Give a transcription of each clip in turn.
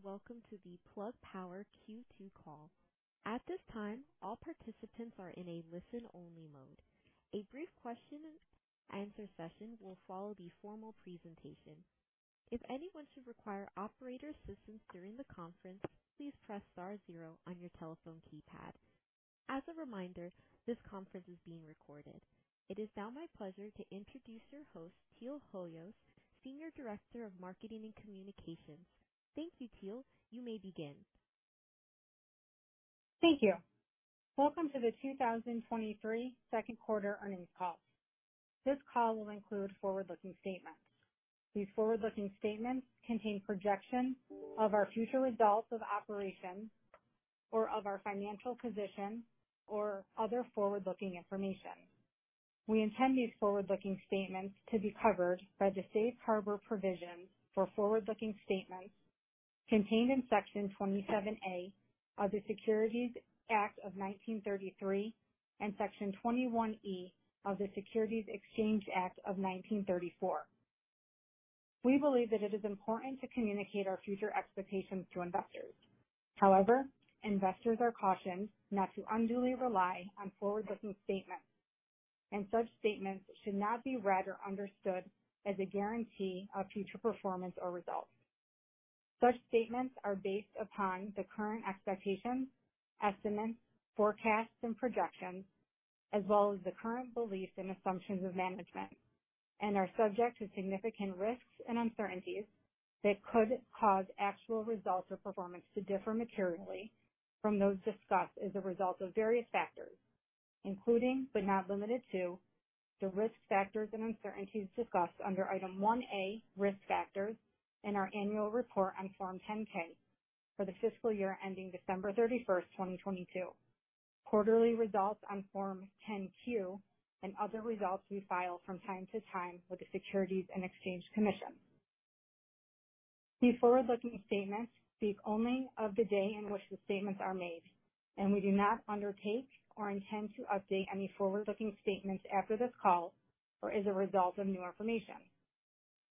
Greetings, and welcome to the Plug Power Q2 call. At this time, all participants are in a listen-only mode. A brief question and answer session will follow the formal presentation. If anyone should require operator assistance during the conference, please press * 0 on your telephone keypad. As a reminder, this conference is being recorded. It is now my pleasure to introduce your host, Teal Hoyos, Senior Director of Marketing and Communications. Thank you, Teal. You may begin. Thank you. Welcome to the 2023 second quarter earnings call. This call will include forward-looking statements. These forward-looking statements contain projections of our future results of operations or of our financial position or other forward-looking information. We intend these forward-looking statements to be covered by the Safe Harbor provisions for forward-looking statements contained in Section 27A of the Securities Act of 1933 and Section 21E of the Securities Exchange Act of 1934. We believe that it is important to communicate our future expectations to investors. However, investors are cautioned not to unduly rely on forward-looking statements, and such statements should not be read or understood as a guarantee of future performance or results. Such statements are based upon the current expectations, estimates, forecasts, and projections, as well as the current beliefs and assumptions of management, and are subject to significant risks and uncertainties that could cause actual results or performance to differ materially from those discussed as a result of various factors, including, but not limited to, the risk factors and uncertainties discussed under Item 1A, Risk Factors in our annual report on Form 10-K for the fiscal year ending December 31, 2022. Quarterly results on Form 10-Q and other results we file from time to time with the Securities and Exchange Commission. These forward-looking statements speak only of the day in which the statements are made, and we do not undertake or intend to update any forward-looking statements after this call or as a result of new information.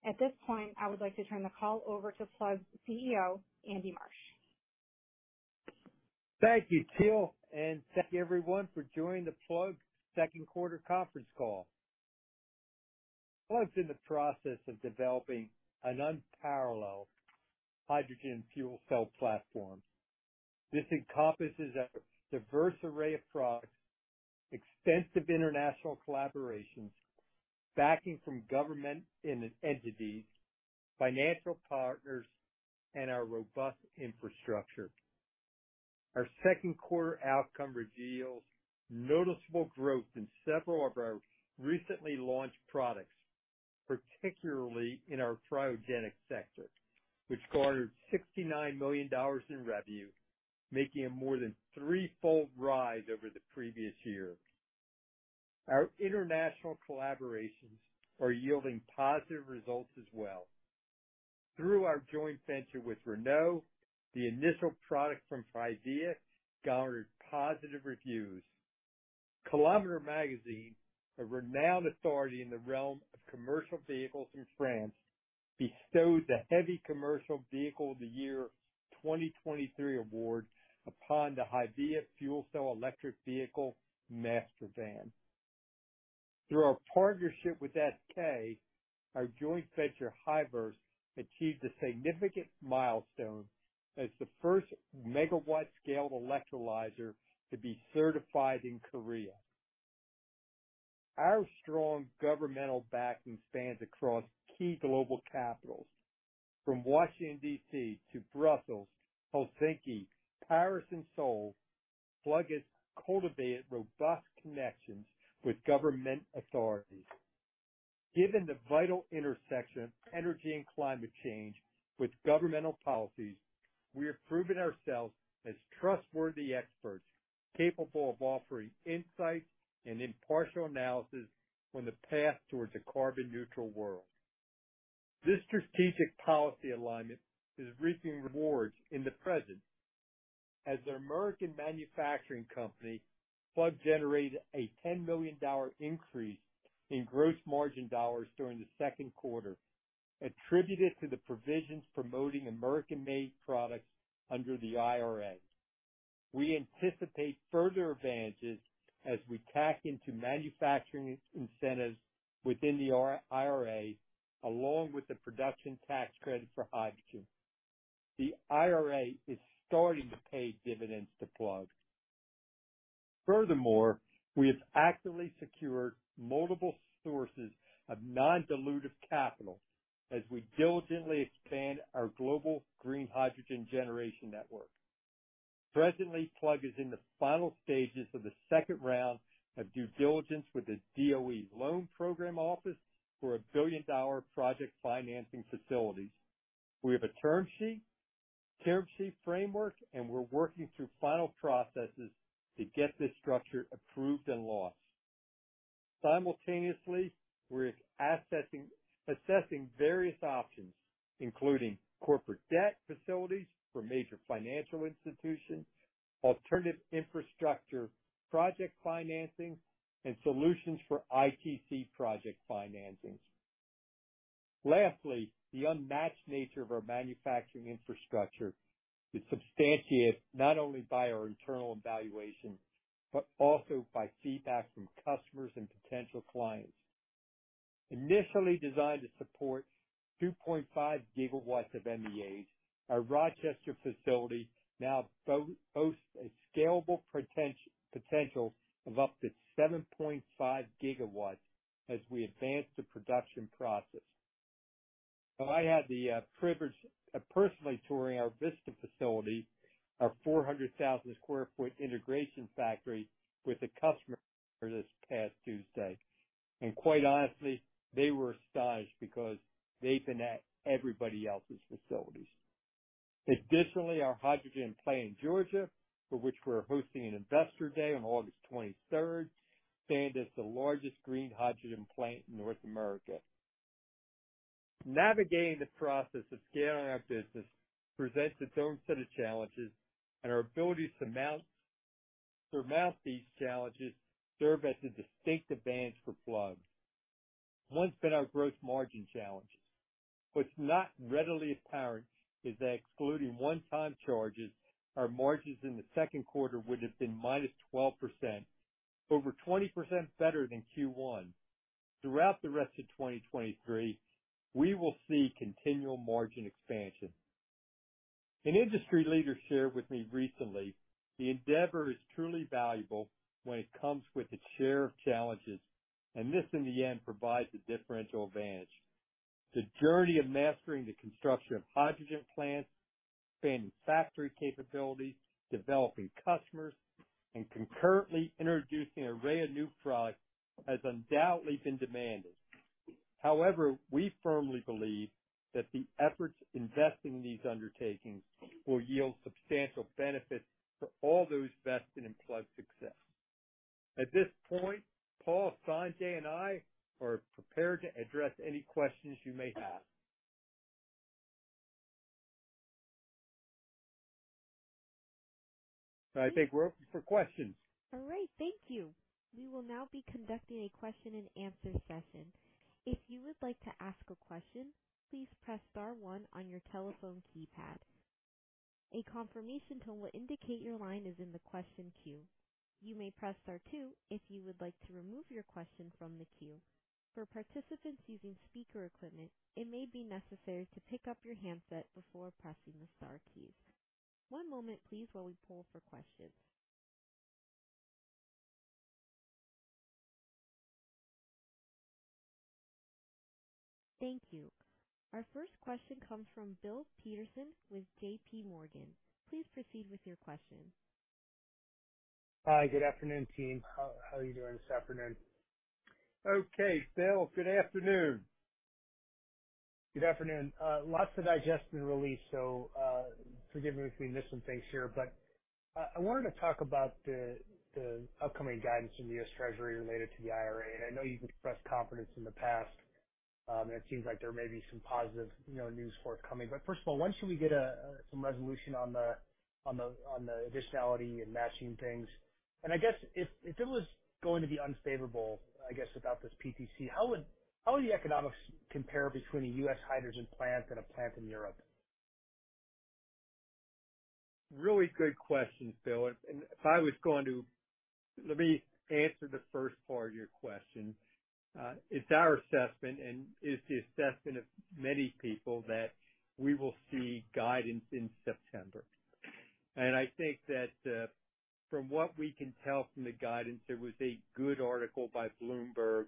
At this point, I would like to turn the call over to Plug's CEO, Andy Marsh. Thank you, Teal, and thank you everyone for joining the Plug second quarter conference call. Plug in the process of developing an unparalleled hydrogen fuel cell platform. This encompasses a diverse array of products, extensive international collaborations, backing from government and entities, financial partners, and our robust infrastructure. Our second quarter outcome reveals noticeable growth in several of our recently launched products, particularly in our cryogenic sector, which garnered $69 million in revenue, making a more than threefold rise over the previous year. Our international collaborations are yielding positive results as well. Through our joint venture with Renault, the initial product from HYVIA garnered positive reviews. Kilomètres Magazine, a renowned authority in the realm of commercial vehicles in France, bestowed the Heavy Commercial Vehicle of the Year 2023 award upon the HYVIA fuel cell electric vehicle Master van. Through our partnership with SK, our joint venture, Hyverse, achieved a significant milestone as the first megawatt-scale electrolyzer to be certified in Korea. Our strong governmental backing spans across key global capitals, from Washington, D.C. to Brussels, Helsinki, Paris, and Seoul. Plug has cultivated robust connections with government authorities. Given the vital intersection of energy and climate change with governmental policies, we are proving ourselves as trustworthy experts, capable of offering insights and impartial analysis on the path towards a carbon neutral world. This strategic policy alignment is reaping rewards in the present. As an American manufacturing company, Plug generated a $10 million increase in gross margin dollars during the second quarter, attributed to the provisions promoting American-made products under the IRA. We anticipate further advantages as we tack into manufacturing incentives within the IRA, along with the production tax credit for hydrogen. The IRA is starting to pay dividends to Plug. Furthermore, we have actively secured multiple sources of non-dilutive capital as we diligently expand our global green hydrogen generation network. Presently, Plug is in the final stages of the second round of due diligence with the DOE Loan Programs Office for a billion-dollar project financing facility. We have a term sheet, term sheet framework, and we're working through final processes to get this structure approved and launched. Simultaneously, we're assessing various options, including corporate debt facilities for major financial institutions, alternative infrastructure, project financing, and solutions for ITC project financing. Lastly, the unmatched nature of our manufacturing infrastructure is substantiated not only by our internal evaluation, but also by feedback from customers and potential clients. Initially designed to support 2.5 gigawatts of MEAs, our Rochester facility now hosts a scalable potential of up to 7.5 GW as we advance the production process. I had the privilege of personally touring our Vista facility, our 400,000 sq ft integration factory, with a customer this past Tuesday, and quite honestly, they were astonished because they've been at everybody else's facilities. Additionally, our hydrogen plant in Georgia, for which we're hosting an investor day on August 23rd, stands as the largest green hydrogen plant in North America. Navigating the process of scaling our business presents its own set of challenges, and our ability to surmount these challenges serve as a distinct advantage for Plug. One's been our gross margin challenges. What's not readily apparent is that excluding one-time charges, our margins in the second quarter would have been -12%, over 20% better than Q1. Throughout the rest of 2023, we will see continual margin expansion. An industry leader shared with me recently, the endeavor is truly valuable when it comes with its share of challenges, and this, in the end, provides a differential advantage. The journey of mastering the construction of hydrogen plants, expanding factory capabilities, developing customers, and concurrently introducing an array of new products has undoubtedly been demanding. However, we firmly believe that the efforts investing in these undertakings will yield substantial benefits for all those vested in Plug's success. At this point, Paul, Sanjay, and I are prepared to address any questions you may have. I think we're open for questions. All right, thank you. We will now be conducting a question-and-answer session. If you would like to ask a question, please press * 1 on your telephone keypad. A confirmation tone will indicate your line is in the question queue. You may press * 2 if you would like to remove your question from the queue. For participants using speaker equipment, it may be necessary to pick up your handset before pressing the star keys. One moment, please, while we poll for questions. Thank you. Our first question comes from Bill Peterson with J.P. Morgan. Please proceed with your question. Hi. Good afternoon, team. How are you doing this afternoon? Okay, Bill, good afternoon. Good afternoon. Lots of digest and release, forgive me if we miss some things here, I wanted to talk about the, the upcoming guidance from the U.S. Treasury related to the IRA. I know you've expressed confidence in the past, and it seems like there may be some positive, you know, news forthcoming. First of all, when should we get some resolution on the, on the, on the additionality and matching things? I guess if, if it was going to be unfavorable, I guess, without this PTC, how would, how would the economics compare between a U.S. hydrogen plant and a plant in Europe? Really good question, Bill. Let me answer the first part of your question. It's our assessment and it's the assessment of many people that we will see guidance in September. I think that, from what we can tell from the guidance, there was a good article by Bloomberg,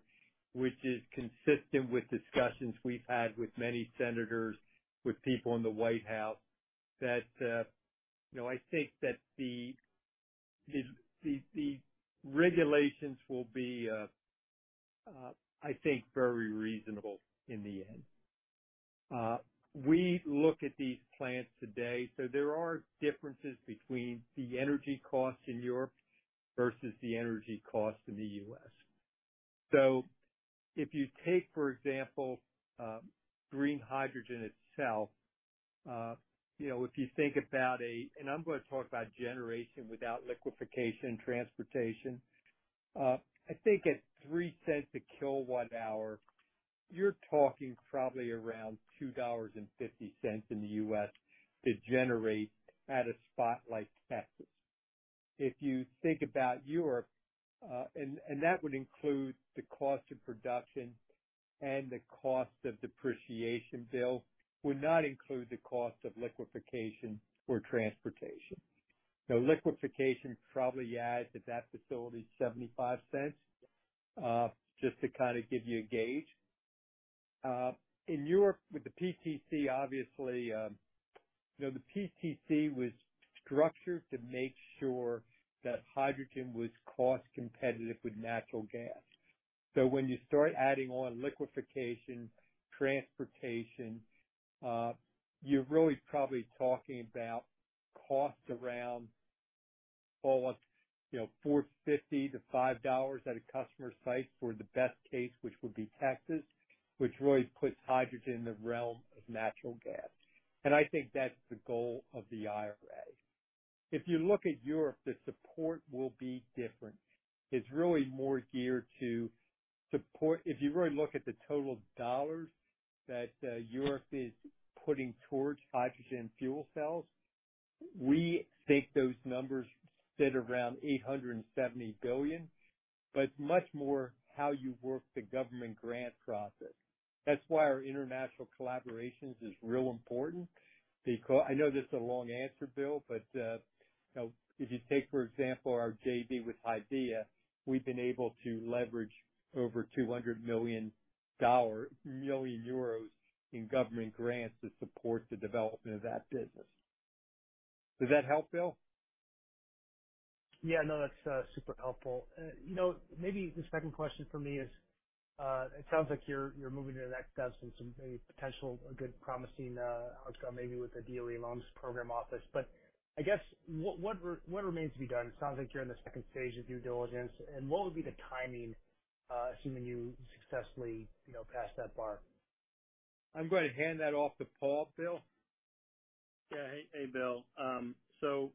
which is consistent with discussions we've had with many senators, with people in the White House, that, you know, I think that the regulations will be, I think very reasonable in the end. We look at these plants today; there are differences between the energy costs in Europe versus the energy costs in the U.S. If you take, for example, green hydrogen itself, you know, if you think about and I'm gonna talk about generation without liquefaction, transportation. I think at 3 cents a KWh, you're talking probably around $2.50 in the U.S. to generate at a spot like Texas. If you think about Europe, that would include the cost of production and the cost of depreciation, Bill, would not include the cost of liquefaction or transportation. Liquefaction probably adds to that facility $0.75, just to kind of give you a gauge. In Europe, with the PTC, obviously, you know, the PTC was structured to make sure that hydrogen was cost competitive with natural gas. When you start adding on liquefaction, transportation, you're really probably talking about costs around you know, $4.50-$5.00 at a customer site for the best case, which would be Texas, which really puts hydrogen in the realm of natural gas. I think that's the goal of the IRA. If you look at Europe, the support will be different. It's really more geared to. If you really look at the total dollars that Europe is putting towards hydrogen fuel cells, we think those numbers sit around $870 billion, but much more how you work the government grant process. That's why our international collaborations is real important, because I know this is a long answer, Bill, but, you know, if you take, for example, our JV with HYVIA, we've been able to leverage over 200 million euros in government grants to support the development of that business. Does that help, Bill? Yeah, no, that's super helpful. You know, maybe the second question for me is, it sounds like you're, you're moving to the next step and some, a potential, a good promising outcome, maybe with the DOE Loan Programs Office. I guess, what remains to be done? It sounds like you're in the second phase of due diligence, and what would be the timing, assuming you successfully, you know, pass that bar? I'm going to hand that off to Paul, Bill. Yeah. Hey, hey, Bill. There's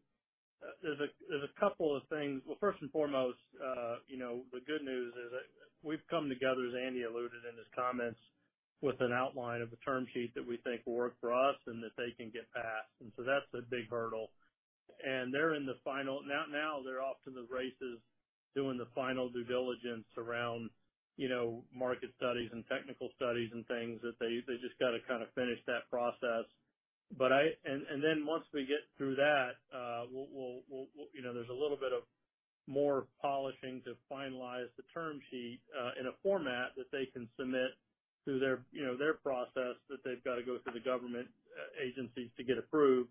a, there's a couple of things. Well, first and foremost, you know, the good news is that we've come together, as Andy alluded in his comments, with an outline of a term sheet that we think will work for us and that they can get passed. That's a big hurdle. They're in the final... Now, now they're off to the races, doing the final due diligence around, you know, market studies and technical studies and things, that they, they just got to kind of finish that process. Then once we get through that, we'll, we'll, we'll, you know, there's a little bit of more polishing to finalize the term sheet, in a format that they can submit through their, you know, their process, that they've got to go through the government agencies to get approved.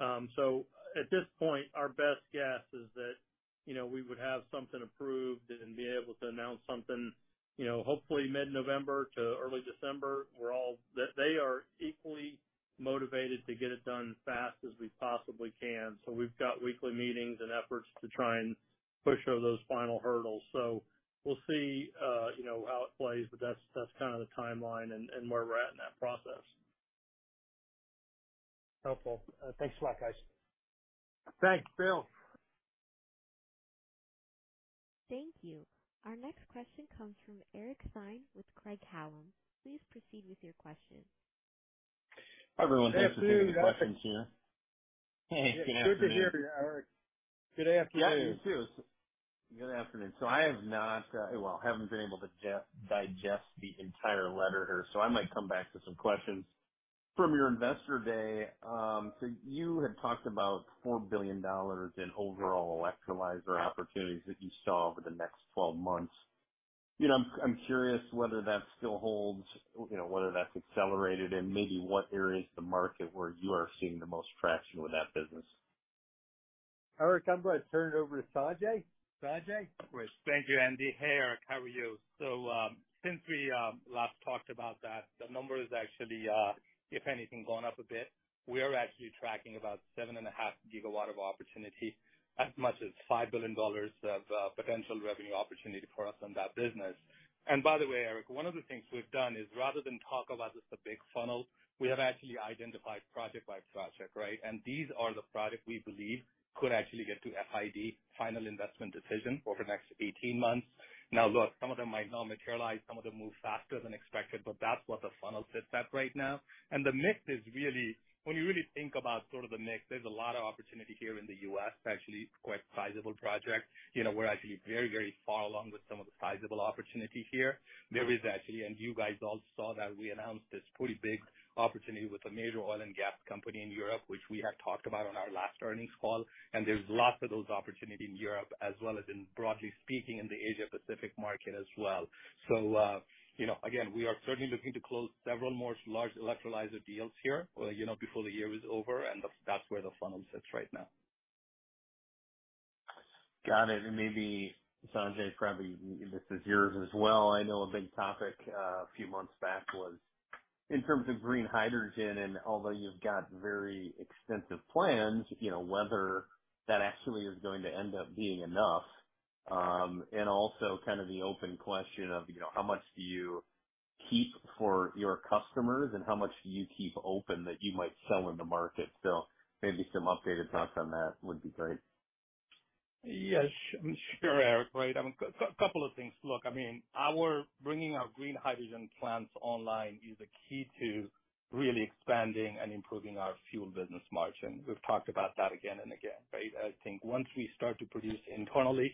At this point, our best guess is that, you know, we would have something approved and be able to announce something, you know, hopefully mid-November to early December. We're all. They, they are equally motivated to get it done fast as we possibly can. We've got weekly meetings and efforts to try and push over those final hurdles. We'll see, you know, how it plays, but that's, that's kind of the timeline and, and where we're at in that process. Helpful. Thanks a lot, guys. Thanks, Bill. Thank you. Our next question comes from Eric Stine with Craig-Hallum. Please proceed with your question. Hi, everyone. Hey, good afternoon. Thanks for taking the questions here. Good afternoon. Good to hear you, Eric. Good afternoon. You too. Good afternoon. I have not, well, haven't been able to digest the entire letter here, so I might come back to some questions. From your Investor Day, you had talked about $4 billion in overall electrolyzer opportunities that you saw over the next 12 months. You know, I'm curious whether that still holds, you know, whether that's accelerated and maybe what areas of the market where you are seeing the most traction with that business? Eric, I'm going to turn it over to Sanjay. Sanjay? Of course. Thank you, Andy. Hey, Eric, how are you? Since we last talked about that, the number is actually, if anything, gone up a bit. We are actually tracking about 7.5 GW of opportunity, as much as $5 billion of potential revenue opportunity for us on that business. By the way, Eric, one of the things we've done is, rather than talk about just the big funnel, we have actually identified project by project, right? These are the projects we believe could actually get to FID, final investment decision, over the next 18 months. Look, some of them might not materialize, some of them move faster than expected, but that's what the funnel sits at right now. The mix is really... When you really think about sort of the mix, there's a lot of opportunity here in the U.S., actually, quite sizable projects. You know, we're actually very, very far along with some of the sizable opportunity here. There is actually, you guys all saw that we announced this pretty big opportunity with a major oil and gas company in Europe, which we had talked about on our last earnings call. There's lots of those opportunities in Europe as well as in, broadly speaking, in the Asia Pacific market as well. You know, again, we are certainly looking to close several more large electrolyzers deals here, you know, before the year is over, and that's, that's where the funnel sits right now. Got it. Maybe, Sanjay, probably this is yours as well. I know a big topic a few months back was in terms of green hydrogen, and although you've got very extensive plans, you know, whether that actually is going to end up being enough. Also, kind of the open question of, you know, how much do you keep for your customers and how much do you keep open that you might sell in the market? Maybe some updated thoughts on that would be great. Yes, sure, Eric. Right. A couple of things. Look, I mean, our bringing our green hydrogen plants online is a key to really expanding and improving our fuel business margin. We've talked about that again and again, right? I think once we start to produce internally,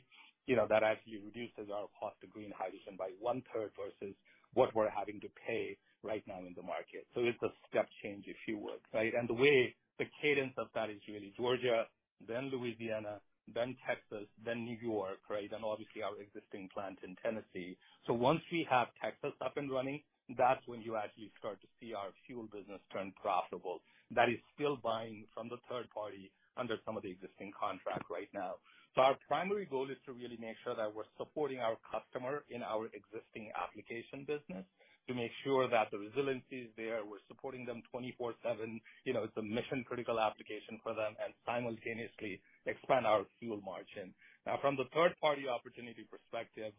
you know, that actually reduces our cost of green hydrogen by 1/3 versus what we're having to pay right now in the market. It's a step change, if you will, right? The way the cadence of that is really Georgia, then Louisiana, then Texas, then New York, right? Obviously, our existing plant in Tennessee. Once we have Texas up and running, that's when you actually start to see our fuel business turn profitable. That is still buying from the third party under some of the existing contract right now. Our primary goal is to really make sure that we're supporting our customer in our existing application business, to make sure that the resiliency is there, we're supporting them 24/7. You know, it's a mission-critical application for them, and simultaneously expand our fuel margin. From the third-party opportunity perspective,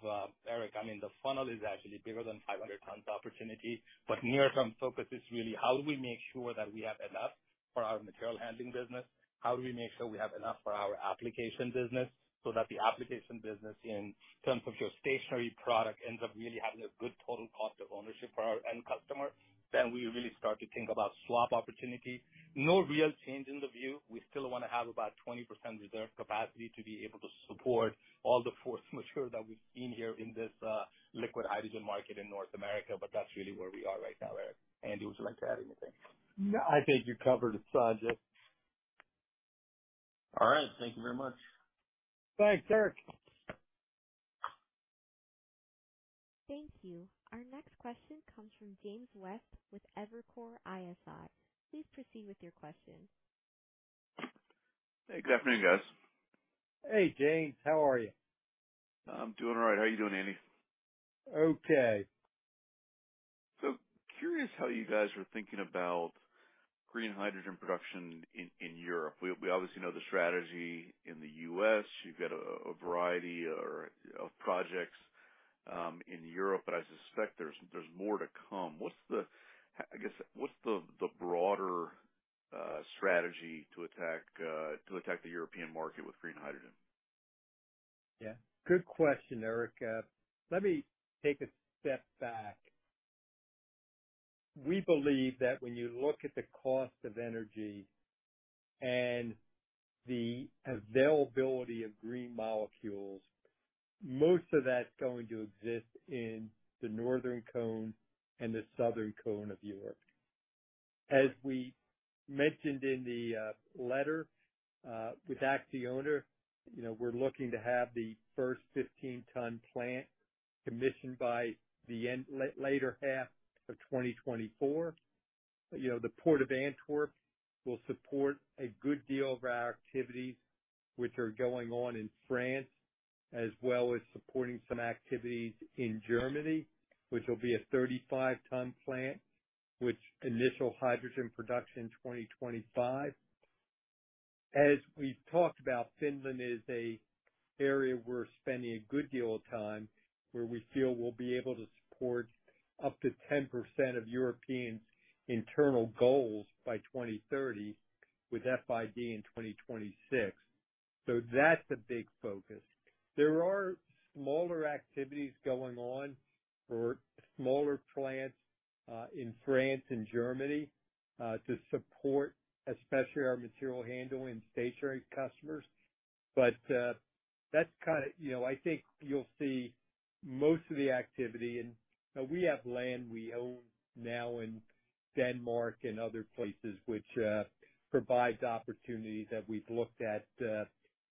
Eric, I mean, the funnel is actually bigger than 500 tons.... opportunity, near-term focus is really how do we make sure that we have enough for our material handling business? How do we make sure we have enough for our application business, so that the application business, in terms of your stationary product, ends up really having a good total cost of ownership for our end customer? We really start to think about swap opportunity. No real change in the view. We still want to have about 20% reserve capacity to be able to support all the force majeure that we've seen here in this liquid hydrogen market in North America. That's really where we are right now, Eric. Andy, would you like to add anything? No, I think you covered it, Sanjay. All right. Thank you very much. Thanks, Eric. Thank you. Our next question comes from James West with Evercore ISI. Please proceed with your question. Hey, good afternoon, guys. Hey, James. How are you? I'm doing all right. How are you doing, Andy? Okay. Curious how you guys are thinking about green hydrogen production in Europe. We obviously know the strategy in the U.S. You've got a variety of projects in Europe, but I suspect there's more to come. What's the, I guess, what's the broader strategy to attack the European market with green hydrogen? Yeah, good question, Eric. Let me take a step back. We believe that when you look at the cost of energy and the availability of green molecules, most of that's going to exist in the northern cone and the southern cone of Europe. As we mentioned in the letter, with ACCIONA, you know, we're looking to have the first 15-ton plant commissioned by the end, later half of 2024. You know, the Port of Antwerp will support a good deal of our activities, which are going on in France, as well as supporting some activities in Germany, which will be a 35-ton plant, with initial hydrogen production in 2025. As we've talked about, Finland is a area we're spending a good deal of time, where we feel we'll be able to support up to 10% of European internal goals by 2030, with FID in 2026. That's a big focus. There are smaller activities going on for smaller plants in France and Germany to support especially our material handling and stationary customers. That's kind of... You know, I think you'll see most of the activity. We have land we own now in Denmark and other places, which provides opportunities that we've looked at,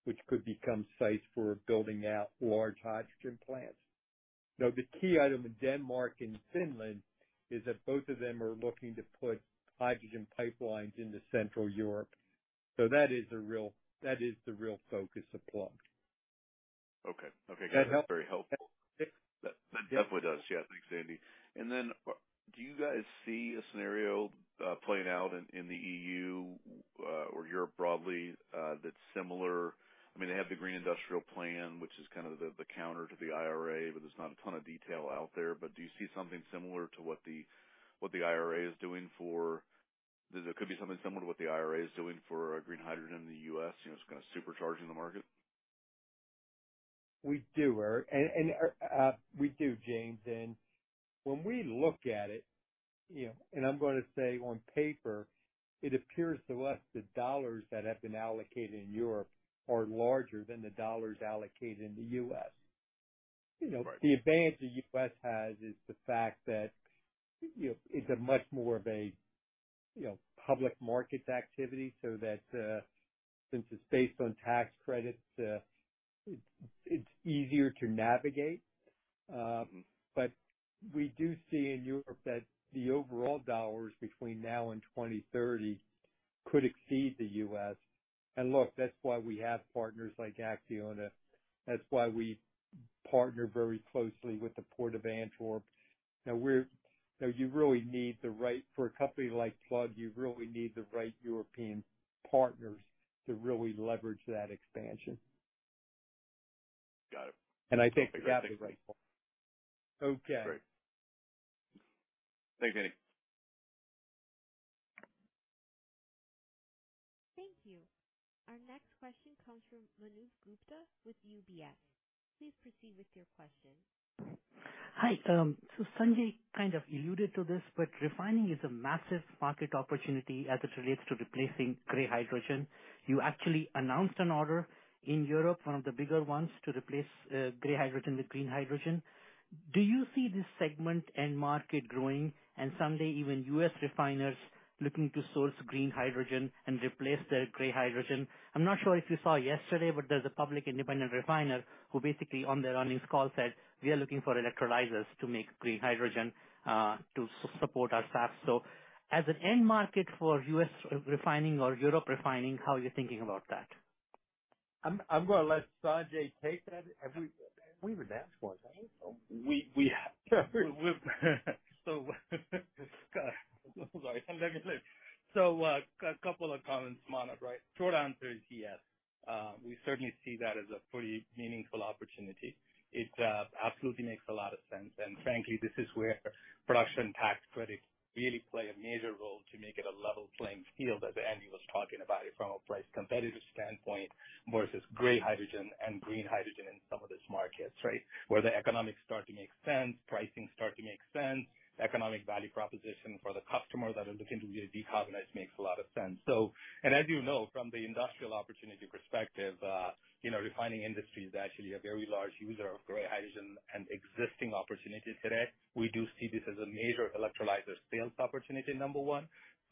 which could become sites for building out large hydrogen plants. The key item in Denmark and Finland is that both of them are looking to put hydrogen pipelines into Central Europe. That is a real that is the real focus of Plug. Okay. Okay, guys- Does that help? That's very helpful. That definitely does. Yeah. Thanks, Andy. Then, do you guys see a scenario, playing out in, in the EU, or Europe broadly, that's similar? I mean, they have the green industrial plan, which is kind of the, the counter to the IRA, but there's not a ton of detail out there. Do you see something similar to what the IRA is doing for... There could be something similar to what the IRA is doing for, green hydrogen in the U.S., you know, it's kind of supercharging the market? We do, Eric. We do, James. When we look at it, you know, and I'm going to say on paper, it appears to us the dollars that have been allocated in Europe are larger than the dollars allocated in the U.S. Right. You know, the advantage the U.S. has is the fact that, you know, it's a much more of a, you know, public market activity, so that, since it's based on tax credits, it, it's easier to navigate. We do see in Europe that the overall dollars between now and 2030 could exceed the U.S. Look, that's why we have partners like ACCIONA. That's why we partner very closely with the Port of Antwerp. Now, we're, you know, you really need the right, for a company like Plug, you really need the right European partners to really leverage that expansion. Got it. I think we got the right partners. Okay, great. Okay. Thank you. Our next question comes from Manav Gupta with UBS. Please proceed with your question. Hi. Sanjay kind of alluded to this, but refining is a massive market opportunity as it relates to replacing gray hydrogen. You actually announced an order in Europe, one of the bigger ones to replace gray hydrogen with green hydrogen. Do you see this segment and market growing, and someday even U.S. refiners looking to source green hydrogen and replace their gray hydrogen? I'm not sure if you saw yesterday, but there's a public independent refiner who basically, on their earnings call, said, "We are looking for electrolyzers to make green hydrogen, to support our staff." As an end market for U.S. refining or Europe refining, how are you thinking about that? I'm gonna let Sanjay take that. We were asked for it, right? Sorry. Let me look. A couple of comments, Manav, right? Short answer is yes.... We certainly see that as a pretty meaningful opportunity. It absolutely makes a lot of sense, and frankly, this is where production tax credits really play a major role to make it a level playing field, as Andy was talking about, from a price competitive standpoint versus gray hydrogen and green hydrogen in some of these markets, right? Where the economics start to make sense, pricing start to make sense, economic value proposition for the customer that are looking to really decarbonize makes a lot of sense. As you know, from the industrial opportunity perspective, you know, refining industry is actually a very large user of gray hydrogen and existing opportunity today. We do see this as a major electrolyzer sales opportunity, number 1.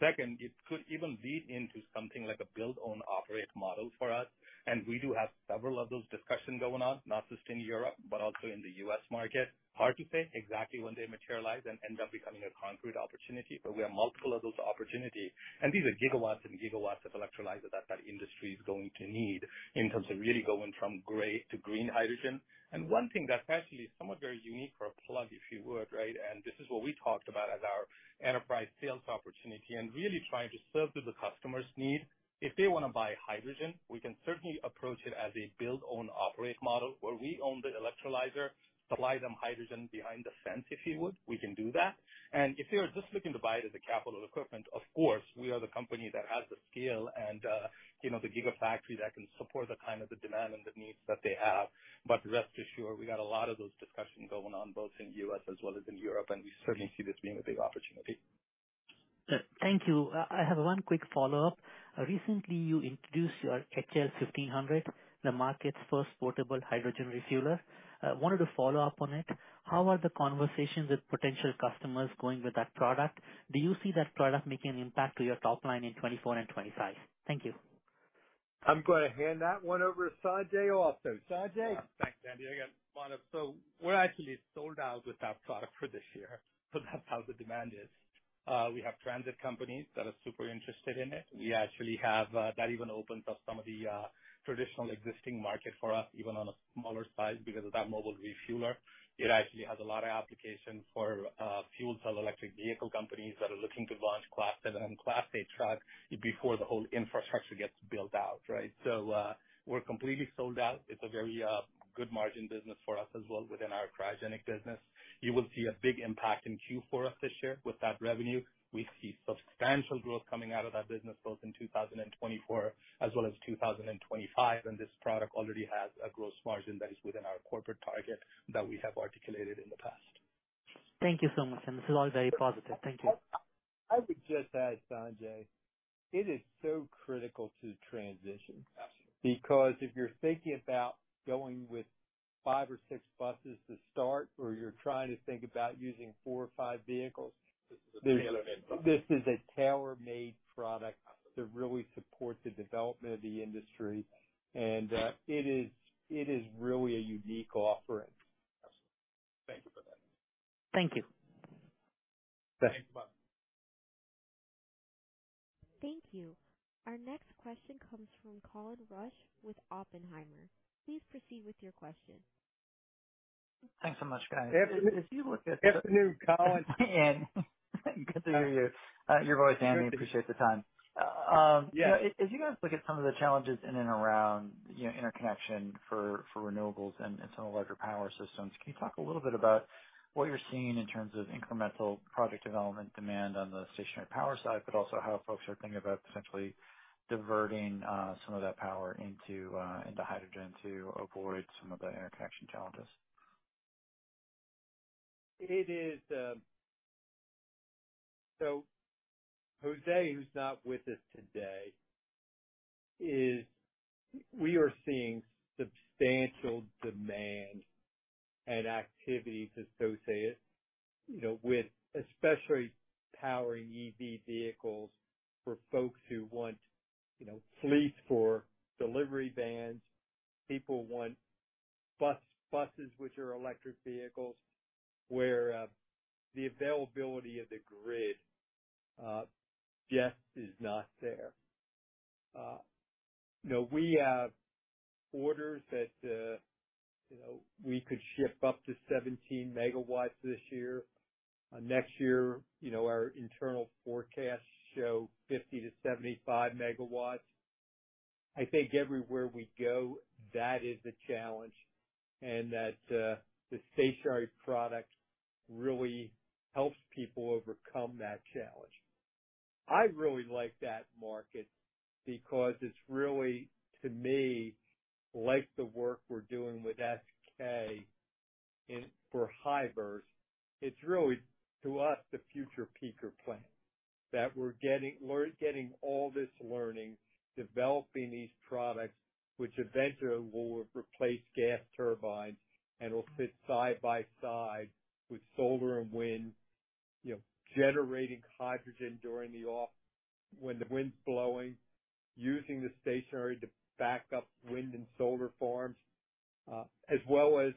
Second, it could even lead into something like a build own operate model for us, and we do have several of those discussions going on, not just in Europe, but also in the U.S. market. Hard to say exactly when they materialize and end up becoming a concrete opportunity, but we have multiple of that opportunity, and these are gigawatts and gigawatts of electrolyzer that that industry is going to need in terms of really going from gray to green hydrogen. One thing that's actually somewhat very unique for Plug, if you would, right, and this is what we talked about as our enterprise sales opportunity and really trying to serve to the customer's need. If they want to buy hydrogen, we can certainly approach it as a build, own, operate model, where we own the electrolyzer, supply them hydrogen behind the fence, if you would. We can do that. If they are just looking to buy it as a capital equipment, of course, we are the company that has the scale and, you know, the gigafactory that can support the kind of the demand and the needs that they have. Rest assured, we got a lot of those discussions going on, both in U.S. as well as in Europe, and we certainly see this being a big opportunity. Thank you. I have one quick follow-up. Recently, you introduced your HL 1500, the market's first portable hydrogen refueler. I wanted to follow up on it. How are the conversations with potential customers going with that product? Do you see that product making an impact to your top line in 2024 and 2025? Thank you. I'm going to hand that one over to Sanjay also. Sanjay? Thanks, Andy. Again, we're actually sold out with that product for this year. That's how the demand is. We have transit companies that are super interested in it. We actually have that even opens up some of the traditional existing market for us, even on a smaller size, because of that mobile refueler. It actually has a lot of applications for fuel cell electric vehicle companies that are looking to launch Class Seven and Class A trucks before the whole infrastructure gets built out, right? We're completely sold out. It's a very good margin business for us as well within our cryogenic business. You will see a big impact in Q4 this year with that revenue. We see substantial growth coming out of that business, both in 2024 as well as 2025. This product already has a gross margin that is within our corporate target that we have articulated in the past. Thank you so much. This is all very positive. Thank you. I would just add, Sanjay, it is so critical to transition- Absolutely. Because if you're thinking about going with 5 or 6 buses to start, or you're trying to think about using 4 or 5 vehicles. This is a tailor-made product. This is a tailor-made product to really support the development of the industry, and, it is really a unique offering. Thank you for that. Thank you. Thanks, bye. Thank you. Our next question comes from Colin Rusch with Oppenheimer. Please proceed with your question. Thanks so much, guys. Afternoon, Colin. Good to hear you, your voice, Andy. I appreciate the time. Yeah. As you guys look at some of the challenges in and around, you know, interconnection for, for renewables and some of the larger power systems, can you talk a little bit about what you're seeing in terms of incremental project development demand on the stationary power side, but also how folks are thinking about potentially diverting some of that power into into hydrogen to avoid some of the interconnection challenges? It is. Jose, who's not with us today, is we are seeing substantial demand and activity to so say it, you know, with especially powering EV vehicles for folks who want, you know, fleets for delivery vans, people want bus, buses which are electric vehicles, where the availability of the grid just is not there. You know, we have orders that, you know, we could ship up to 17 megawatts this year. Next year, you know, our internal forecasts show 50-75 megawatts. I think everywhere we go, that is the challenge and that the stationary product really helps people overcome that challenge. I really like that market because it's really, to me, like the work we're doing with SK and for HYVIA, it's really, to us, the future peaker plant, that we're getting all this learning, developing these products, which eventually will replace gas turbines and will sit side by side with solar and wind, you know, generating hydrogen during the off when the wind's blowing, using the stationary to back up wind and solar farms, as well as,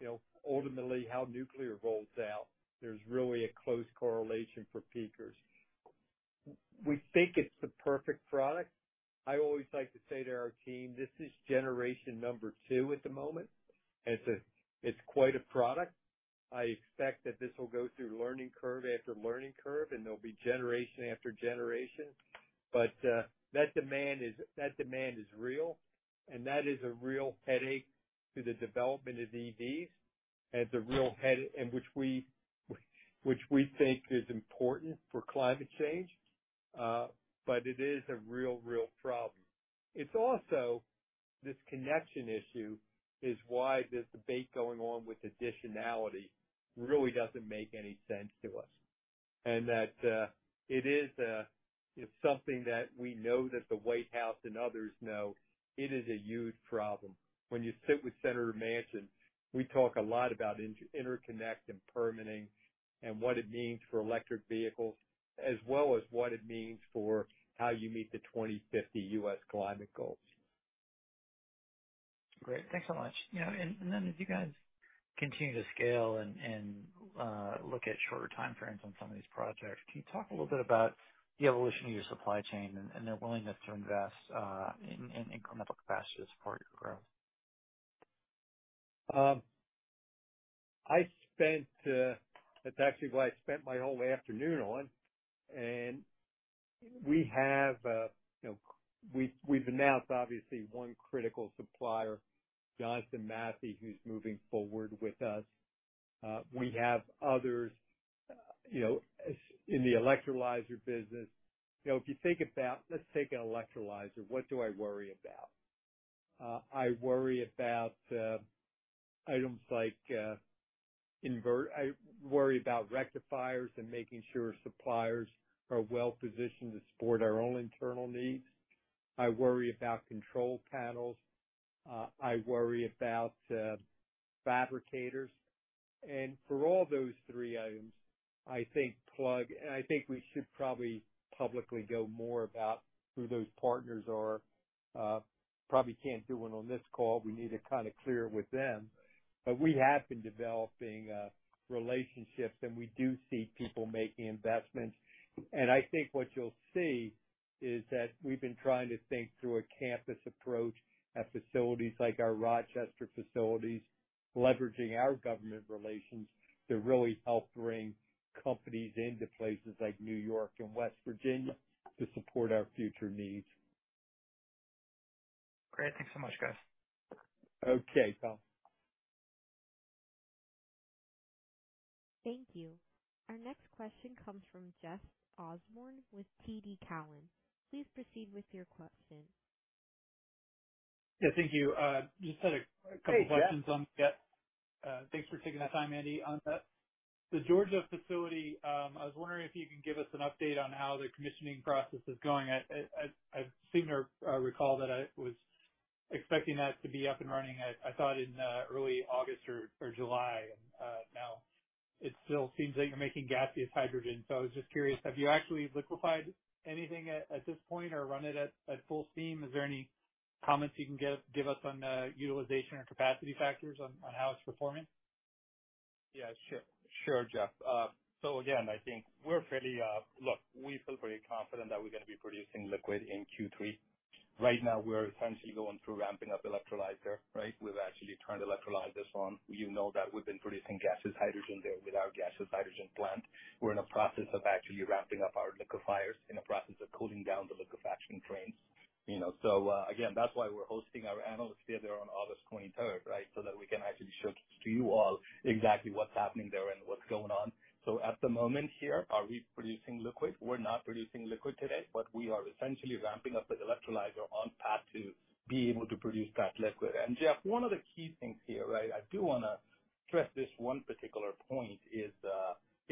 you know, ultimately how nuclear rolls out. There's really a close correlation for peakers. We think it's the perfect product. I always like to say to our team, "This is generation number 2 at the moment," and it's, it's quite a product. I expect that this will go through learning curve after learning curve, and there'll be generation after generation. That demand is, that demand is real, and that is a real headache to the development of EVs. It's a real and which we, which we think is important for climate change, but it is a real, real problem. It's also, this connection issue, is why this debate going on with additionality really doesn't make any sense to us. That it is, it's something that we know that the White House and others know it is a huge problem. When you sit with Senator Manchin, we talk a lot about in-interconnect and permitting and what it means for electric vehicles, as well as what it means for how you meet the 2050 U.S. climate goals. Great. Thanks so much. You know, then as you guys continue to scale and look at shorter time frames on some of these projects, can you talk a little bit about the evolution of your supply chain and their willingness to invest, in incremental capacity to support your growth? I spent, that's actually what I spent my whole afternoon on, and we have, you know, we, we've announced, obviously, 1 critical supplier, Johnson Matthey, who's moving forward with us. We have others, you know, as in the electrolyzer business. Let's take an electrolyzer. What do I worry about? I worry about items like rectifiers and making sure suppliers are well positioned to support our own internal needs. I worry about control panels. I worry about fabricators. For all those 3 items, I think Plug, and I think we should probably publicly go more about who those partners are. Probably can't do 1 on this call. We need to kind of clear it with them. We have been developing relationships, and we do see people making investments. I think what you'll see is that we've been trying to think through a campus approach at facilities like our Rochester facilities, leveraging our government relations to really help bring companies into places like New York and West Virginia to support our future needs. Great. Thanks so much, guys. Okay, Tom. Thank you. Our next question comes from Jeff Osborne with TD Cowen. Please proceed with your question. Yeah, thank you. Hey, Jeff. Couple questions on, yeah. Thanks for taking the time, Andy, on the Georgia facility. I was wondering if you could give us an update on how the commissioning process is going. I seem to recall that I was expecting that to be up and running, I thought in early August or July. Now it still seems like you're making gaseous hydrogen. I was just curious, have you actually liquefied anything at this point or run it at full steam? Is there any comments you can give us on utilization or capacity factors on how it's performing? Yeah, sure. Sure, Jeff. Again, I think we're fairly... Look, we feel pretty confident that we're going to be producing liquid in Q3. Right now, we're essentially going through ramping up electrolyzer, right? We've actually turned electrolyzers on. You know that we've been producing gaseous hydrogen there with our gaseous hydrogen plant. We're in a process of actually ramping up our liquefiers, in a process of cooling down the liquefaction trains. You know, again, that's why we're hosting our analyst day there on August 23rd, right? That we can actually show to you all exactly what's happening there and what's going on. At the moment here, are we producing liquid? We're not producing liquid today, but we are essentially ramping up the electrolyzer on path to be able to produce that liquid. Jeff, one of the key things here, right, I do want to stress this one particular point, is,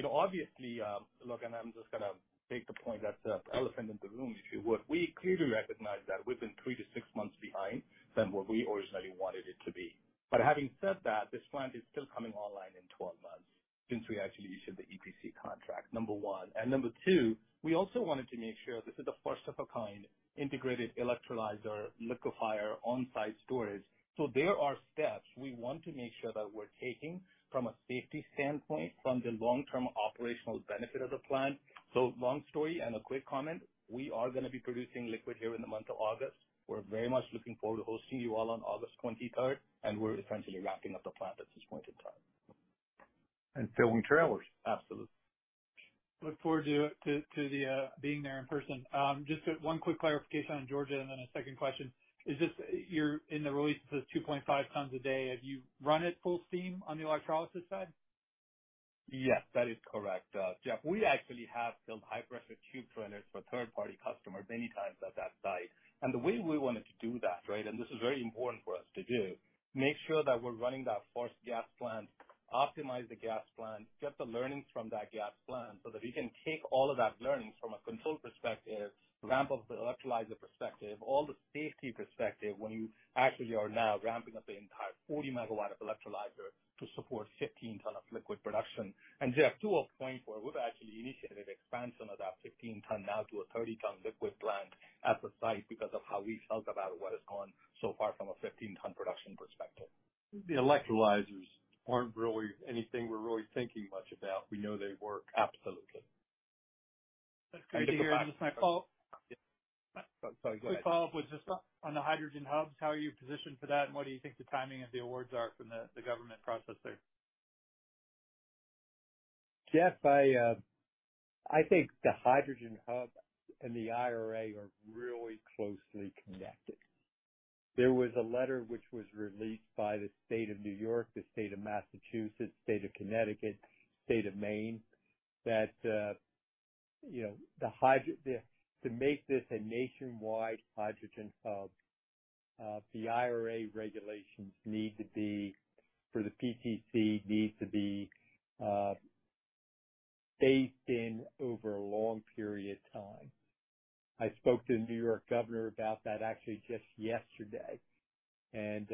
you know, obviously, look, and I'm just gonna make the point that's the elephant in the room, if you would. We clearly recognize that we've been 3-6 months behind than what we originally wanted it to be. Having said that, this plant is still coming online in 12 months since we actually issued the EPC contract, number one. Number two, we also wanted to make sure this is a first-of-a-kind integrated electrolyzer, liquefier, on-site storage. There are steps we want to make sure that we're taking from a safety standpoint, from the long-term operational benefit of the plant. Long story and a quick comment, we are going to be producing liquid here in the month of August. We're very much looking forward to hosting you all on August 23rd, and we're essentially ramping up the plant at this point in time. Filling trailers. Absolutely. Look forward to the being there in person. Just one quick clarification on Georgia and then a second question. Is this, you're in the release of the 2.5 tons a day? Have you run it full steam on the electrolysis side? Yes, that is correct, Jeff. We actually have filled high-pressure tube trailers for third-party customers many times at that site. The way we wanted to do that, right, and this is very important for us to do, make sure that we're running that first gas plant, optimize the gas plant, get the learnings from that gas plant so that we can take all of that learning from a control perspective, ramp up the electrolyzer perspective, all the safety perspective, when you actually are now ramping up the entire 40 MW of electrolyzer to support 15 ton of liquid production. Jeff, to a point where we've actually initiated expansion of that 15 ton now to a 30-ton liquid plant at the site because of how we felt about what has gone so far from a 15-ton production perspective. The electrolyzers aren't really anything we're really thinking much about. We know they work. Absolutely. That's great to hear. Just my follow-up- Sorry, go ahead. Quick follow-up was just on, on the hydrogen hubs. How are you positioned for that, and what do you think the timing of the awards are from the government process there? Jeff, I think the hydrogen hub and the IRA are really closely connected. There was a letter which was released by the State of New York, the State of Massachusetts, State of Connecticut, State of Maine, that, you know, the hydro- the-- to make this a nationwide hydrogen hub, the IRA regulations need to be, for the PTC, need to be, phased in over a long period of time. I spoke to the New York governor about that actually just yesterday, and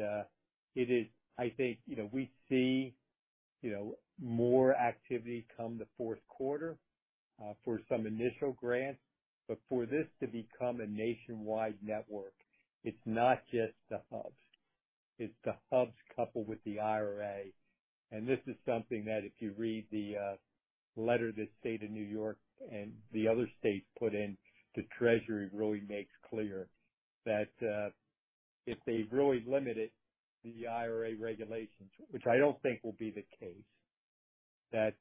it is-- I think, you know, we see, you know, more activity come the fourth quarter, for some initial grants. For this to become a nationwide network, it's not just the hubs, it's the hubs coupled with the IRA. This is something that if you read the letter, the State of New York and the other states put into Treasury, really makes clear that if they really limited the IRA regulations, which I don't think will be the case, that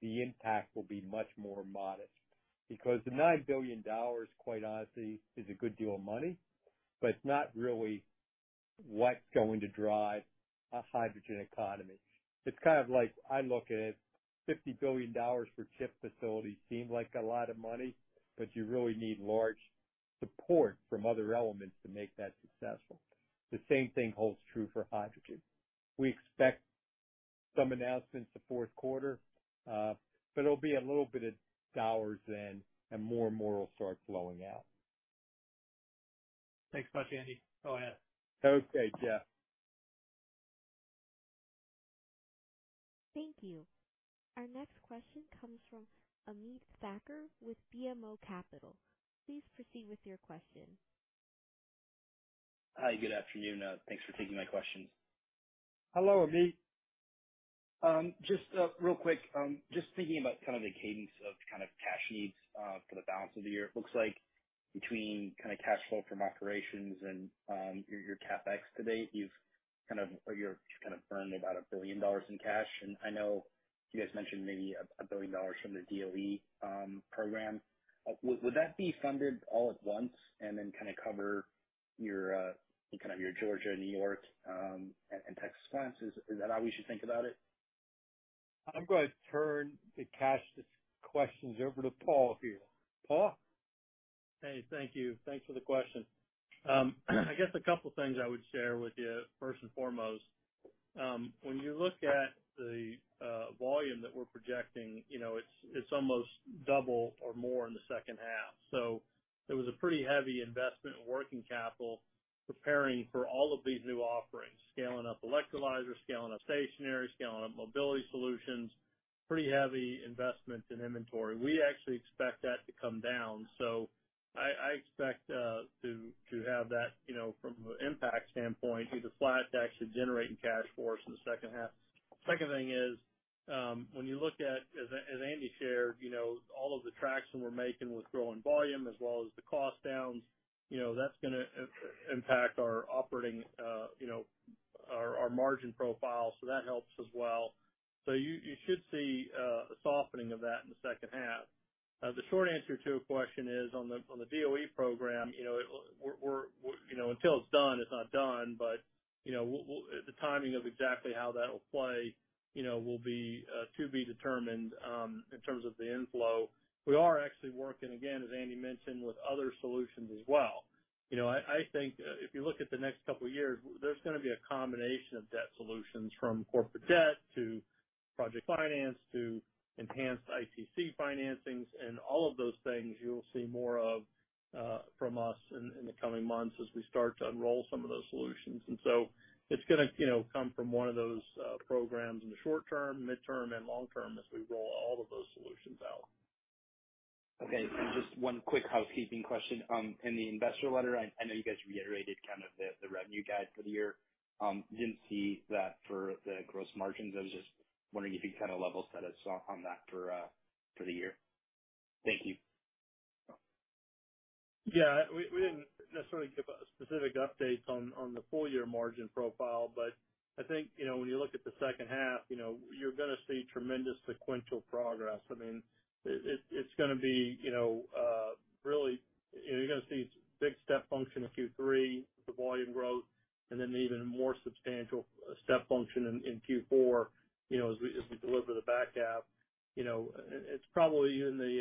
the impact will be much more modest. Because the $9 billion, quite honestly, is a good deal of money, but it's not really what's going to drive a hydrogen economy. It's kind of like I look at it, $50 billion for chip facilities seem like a lot of money, but you really need large support from other elements to make that successful. The same thing holds true for hydrogen. We expect some announcements the fourth quarter, but it'll be a little bit of dollars in and more and more will start flowing out. Thanks much, Andy. Go ahead. Okay, Jeff. Thank you. Our next question comes from Ameet Thakkar with BMO Capital. Please proceed with your question. Hi, good afternoon. Thanks for taking my questions. Hello, Ameet. Just real quick, just thinking about kind of the cadence of kind of cash needs for the balance of the year. It looks like between kind of cash flow from operations and your, your CapEx to date, you've kind of or you're kind of burned about $1 billion in cash. I know you guys mentioned maybe $1 billion from the DOE program. Would that be funded all at once, and then kind of cover your Georgia, New York, and Texas funds? Is that how we should think about it? I'm going to turn the cash questions over to Paul here. Paul? Hey, thank you. Thanks for the question. I guess a couple of things I would share with you. First and foremost, when you look at the volume that we're projecting, you know, it's, it's almost double or more in the second half. It was a pretty heavy investment in working capital, preparing for all of these new offerings, scaling up electrolyzers, scaling up stationary, scaling up mobility solutions, pretty heavy investment in inventory. We actually expect that to come down, so I, I expect to have that, you know, from an impact standpoint, be the flat to actually generating cash for us in the second half. Second thing is, when you look at, as, as Andy shared, you know, all of the traction we're making with growing volume as well as the cost downs, you know, that's gonna impact our operating, you know, our, our margin profile, so that helps as well. You, you should see a softening of that in the second half. The short answer to your question is on the, on the DOE program, you know, it will, we're, we're, you know, until it's done, it's not done. You know, we, we, the timing of exactly how that will play, you know, will be to be determined in terms of the inflow. We are actually working, again, as Andy mentioned, with other solutions as well. You know, I think, if you look at the next couple of years, there's gonna be a combination of debt solutions, from corporate debt to project finance, to enhanced ITC financings, and all of those things you will see more of, from us in, in the coming months as we start to unroll some of those solutions. So, it's gonna, you know, come from one of those programs in the short term, midterm, and long term as we roll all of those solutions out. Okay. Just 1 quick housekeeping question. In the investor letter, I know you guys reiterated kind of the, the revenue guide for the year. Didn't see that for the gross margins. I was just wondering if you could kind of level set us on, on that for, for the year. Thank you. Yeah, we, we didn't necessarily give specific updates on, on the full year margin profile, but I think, you know, when you look at the second half, you know, you're gonna see tremendous sequential progress. I mean, it, it's gonna be, you know, really, you're gonna see big step function in Q3, the volume growth, and then even more substantial step function in, in Q4, you know, as we, as we deliver the back half. You know, it's probably in the,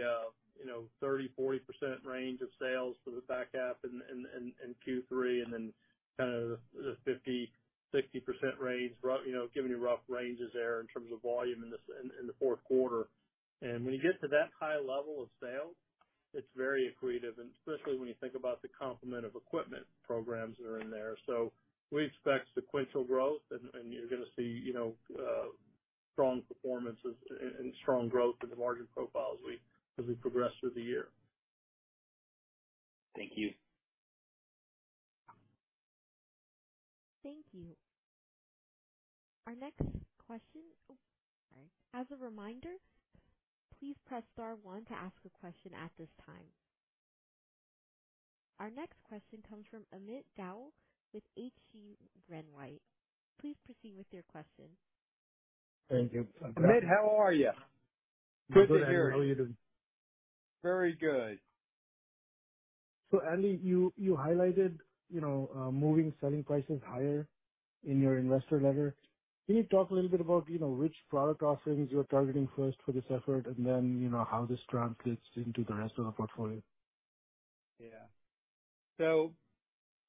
you know, 30%-40% range of sales for the back half and, and, and Q3, and then kind of the 50%-60% range, you know, giving you rough ranges there in terms of volume in the fourth quarter. When you get to that high level of sales, it's very accretive, and especially when you think about the complement of equipment programs that are in there. We expect sequential growth, and you're gonna see, you know, strong performances and strong growth in the margin profile as we as we progress through the year. Thank you. Thank you. Our next question, Oh, sorry. As a reminder, please press * 1 to ask a question at this time. Our next question comes from Amit Dayal with H.C. Wainwright. Please proceed with your question. Thank you. Amit, how are you? Good to hear you. Very good. Andy, you, you highlighted, you know, moving selling prices higher in your investor letter. Can you talk a little bit about, you know, which product offerings you're targeting first for this effort, and then, you know, how this translates into the rest of the portfolio? Yeah.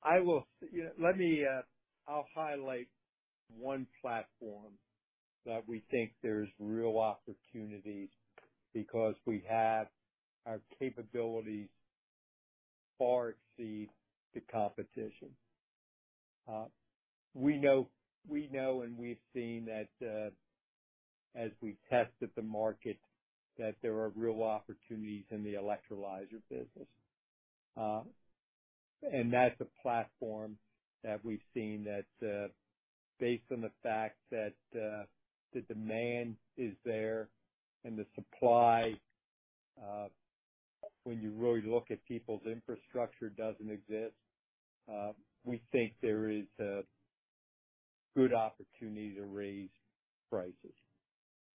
I will... Yeah, let me, I'll highlight one platform that we think there's real opportunities because we have our capabilities far exceed the competition. We know, we know, and we've seen that, as we tested the market, that there are real opportunities in the electrolyzer business. That's a platform that we've seen that, based on the fact that, the demand is there and the supply, when you really look at people's infrastructure, doesn't exist. We think there is a good opportunity to raise prices,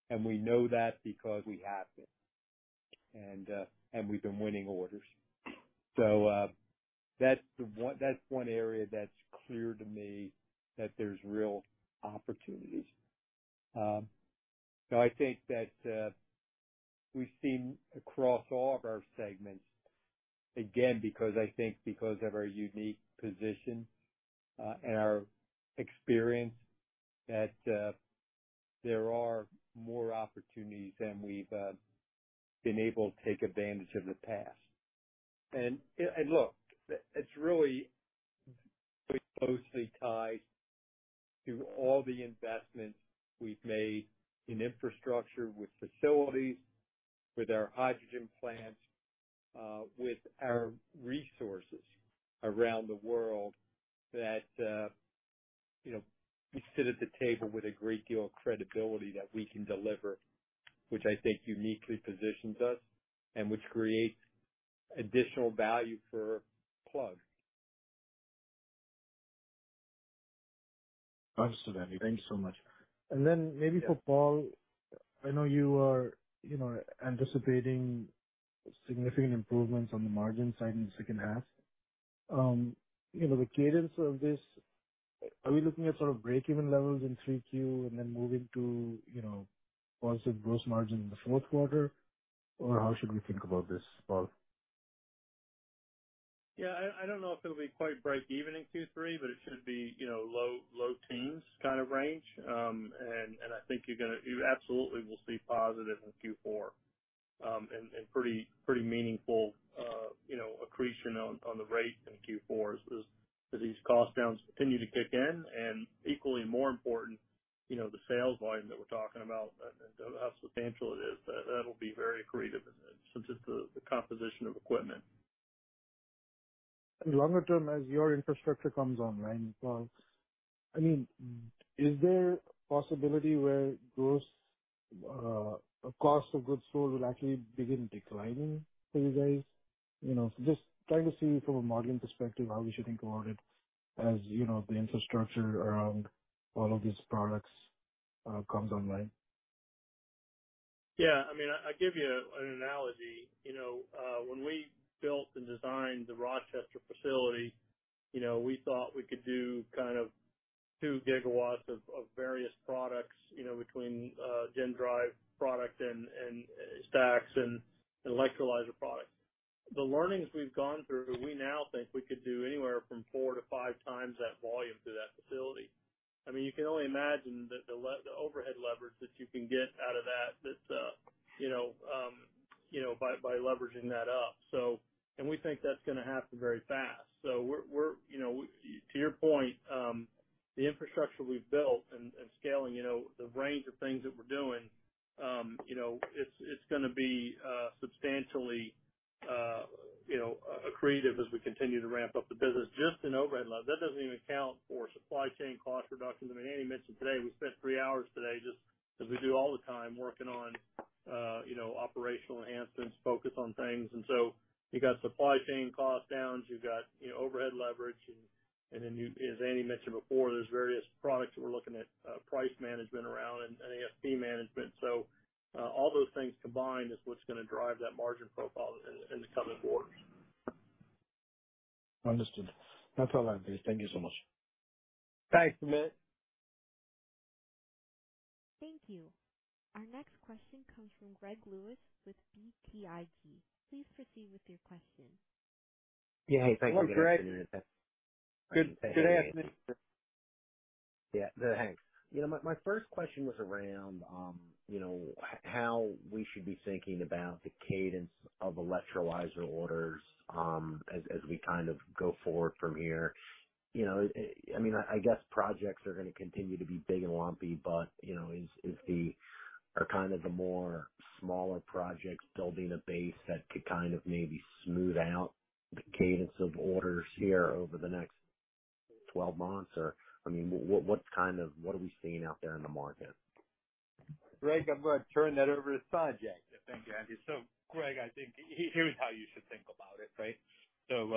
and we know that because we have been, and, and we've been winning orders. That's the one-- that's one area that's clear to me that there's real opportunities. I think that we've seen across all of our segments, again, because I think because of our unique position, and our experience, that there are more opportunities than we've been able to take advantage of in the past. Look, it's really closely tied to all the investments we've made in infrastructure, with facilities, with our hydrogen plants, with our resources around the world, that, you know, we sit at the table with a great deal of credibility that we can deliver, which I think uniquely positions us and which creates additional value for Plug. Understood, Andy. Thank you so much. Then maybe for Paul, I know you are, you know, anticipating significant improvements on the margin side in the second half. You know, the cadence of this, are we looking at sort of breakeven levels in 3Q and then moving to, you know, positive gross margin in the fourth quarter? Or how should we think about this, Paul? Yeah, I don't know if it'll be quite breakeven in Q3, but it should be, you know, low, low teens kind of range. You absolutely will see positive in Q4. Pretty, pretty meaningful, you know, accretion on the rate in Q4 as these cost downs continue to kick in. Equally more important, you know, the sales volume that we're talking about and how substantial it is, that'll be very accretive since it's the composition of equipment. Longer term, as your infrastructure comes online, Paul, I mean, is there a possibility where gross, cost of goods sold will actually begin declining for you guys? You know, just trying to see from a modeling perspective, how we should think about it, as you know, the infrastructure around all of these products, comes online. Yeah, I mean, I, I give you an analogy. You know, when we built and designed the Rochester facility, you know, we thought we could do kind of 2 gigawatts of, of various products, you know, between GenDrive product and, and stacks and, and electrolyzer products. The learnings we've gone through, we now think we could do anywhere from 4-5 times that volume through that facility. I mean, you can only imagine that the overhead leverage that you can get out of that, that, you know, you know, by, by leveraging that up. We think that's going to happen very fast. We're, we're, you know, to your point, the infrastructure we've built and, and scaling, you know, the range of things that we're doing, you know, it's, it's going to be substantially, you know, accretive as we continue to ramp up the business just in overhead level. That doesn't even account for supply chain cost reductions. I mean, Andy mentioned today, we spent three hours today just as we do all the time, working on, you know, operational enhancements, focus on things. You've got supply chain cost downs, you've got, you know, overhead leverage, and, and then as Andy mentioned before, there's various products that we're looking at, price management around and ASP management. All those things combined is what's going to drive that margin profile in, in the coming quarters. Understood. That's all I have here. Thank you so much. Thanks, Amit. Thank you. Our next question comes from Greg Lewis with BTIG. Please proceed with your question. Yeah. Hey, thanks- Good morning, Greg. Good, good afternoon. Yeah. Thanks. You know, my first question was around, you know, how we should be thinking about the cadence of electrolyzer orders, as we kind of go forward from here. You know, I, I mean, I guess projects are going to continue to be big and lumpy, but, you know, is the, are kind of the more smaller projects building a base that could kind of maybe smooth out?... the cadence of orders here over the next 12 months? Or, I mean, what kind of, what are we seeing out there in the market? Greg, I'm going to turn that over to Sanjay. Thank you, Andy. Greg, I think here's how you should think about it, right? You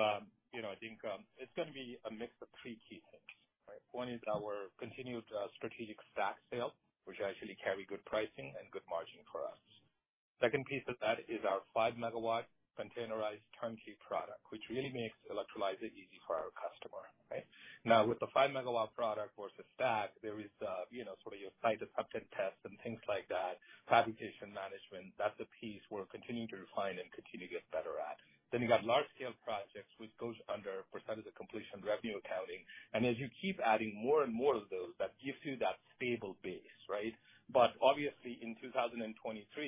know, I think it's going to be a mix of three key things, right? One is our continued strategic stack sale, which actually carry good pricing and good margin for us. Second piece of that is our 5 megawatt containerized turnkey product, which really makes electrolyzer easy for our customer, right? Now, with the 5 megawatt product versus stack, there is, you know, sort of your site acceptance tests and things like that, fabrication management. That's the piece we're continuing to refine and continue to get better at. Then you got large scale projects, which goes under percentage of completion revenue accounting. As you keep adding more and more of those, that gives you that stable base, right? Obviously, in 2023,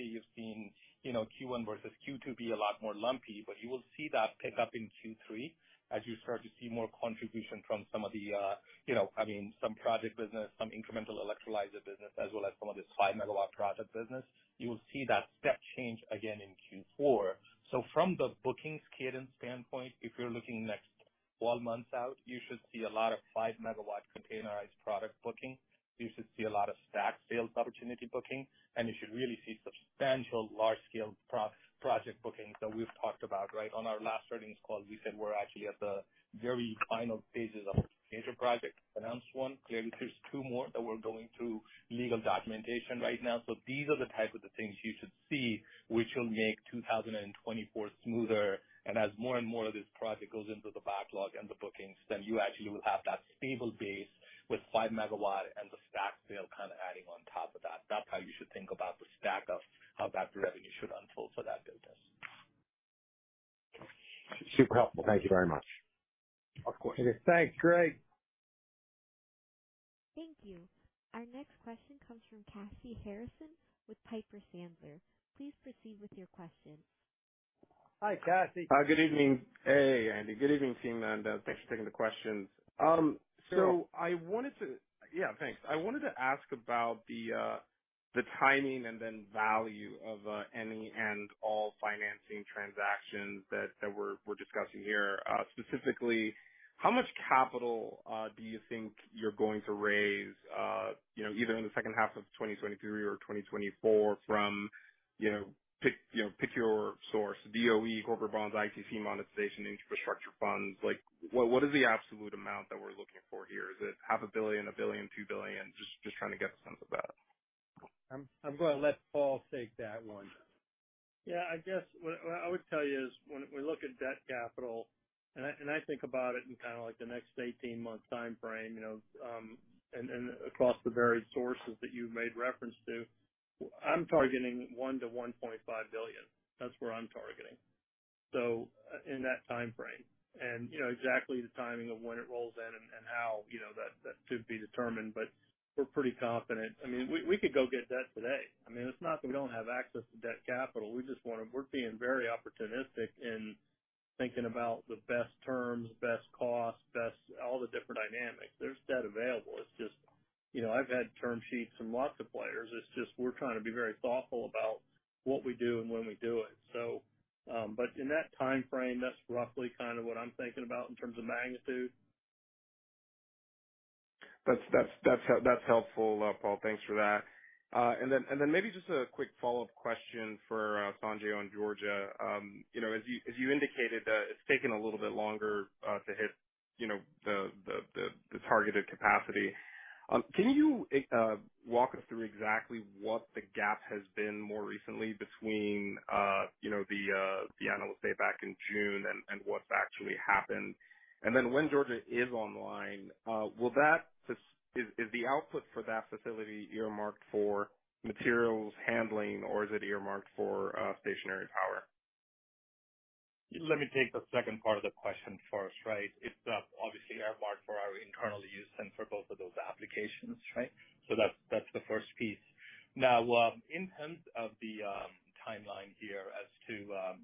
you've seen, you know, Q1 versus Q2 be a lot more lumpy. You will see that pick up in Q3 as you start to see more contribution from some of the, you know, I mean, some project business, some incremental electrolyzer business, as well as some of this 5 megawatt project business. You will see that step change again in Q4. From the bookings cadence standpoint, if you're looking next 12 months out, you should see a lot of 5 megawatt containerized product booking. You should see a lot of stack sales opportunity booking, and you should really see substantial large scale project bookings that we've talked about, right? On our last earnings call, we said we're actually at the very final pages of a major project, announced one. Clearly, there's two more that we're going through legal documentation right now. These are the types of the things you should see, which will make 2024 smoother. As more and more of this project goes into the backlog and the bookings, then you actually will have that stable base with 5 MW and the stack sale kind of adding on top of that. That's how you should think about the stack of that revenue should unfold for that business. Super helpful. Thank you very much. Of course. Thanks, Greg. Thank you. Our next question comes from Kashy Harrison with Piper Sandler. Please proceed with your question. Hi, Kashy. Good evening. Hey, Andy, good evening team, and thanks for taking the questions. So I wanted to... Yeah, thanks. I wanted to ask about the timing and then value of any and all financing transactions that we're discussing here. Specifically, how much capital do you think you're going to raise, you know, either in the second half of 2023 or 2024 from, you know, pick, you know, pick your source, DOE, corporate bonds, ITC, monetization, infrastructure funds? Like, what is the absolute amount that we're looking for here? Is it $500 million, $1 billion, $2 billion? Just trying to get a sense of that. I'm going to let Paul take that one. Yeah, I guess what, what I would tell you is when we look at debt capital, and I, and I think about it in kind of like the next 18-month timeframe, you know, across the various sources that you've made reference to, I'm targeting $1 billion-$1.5 billion. That's where I'm targeting. In that timeframe, you know, exactly the timing of when it rolls in and, and how, you know, that, that is to be determined, we're pretty confident. I mean, we, we could go get debt today. I mean, it's not that we don't have access to debt capital. We're being very opportunistic in thinking about the best terms, best costs, best all the different dynamics. There's debt available. It's just, you know, I've had term sheets from lots of players. It's just we're trying to be very thoughtful about what we do and when we do it. In that timeframe, that's roughly kind of what I'm thinking about in terms of magnitude. That's, that's, that's, that's helpful, Paul. Thanks for that. Then, and then maybe just a quick follow-up question for Sanjay on Georgia. You know, as you, as you indicated, that it's taken a little bit longer to hit, you know, the targeted capacity. Can you walk us through exactly what the gap has been more recently between, you know, the analyst day back in June and what's actually happened? Then when Georgia is online, Is the output for that facility earmarked for materials handling, or is it earmarked for stationary power? Let me take the second part of the question first, right? It's obviously earmarked for our internal use and for both of those applications, right? That's, that's the first piece. Now, in terms of the timeline here as to.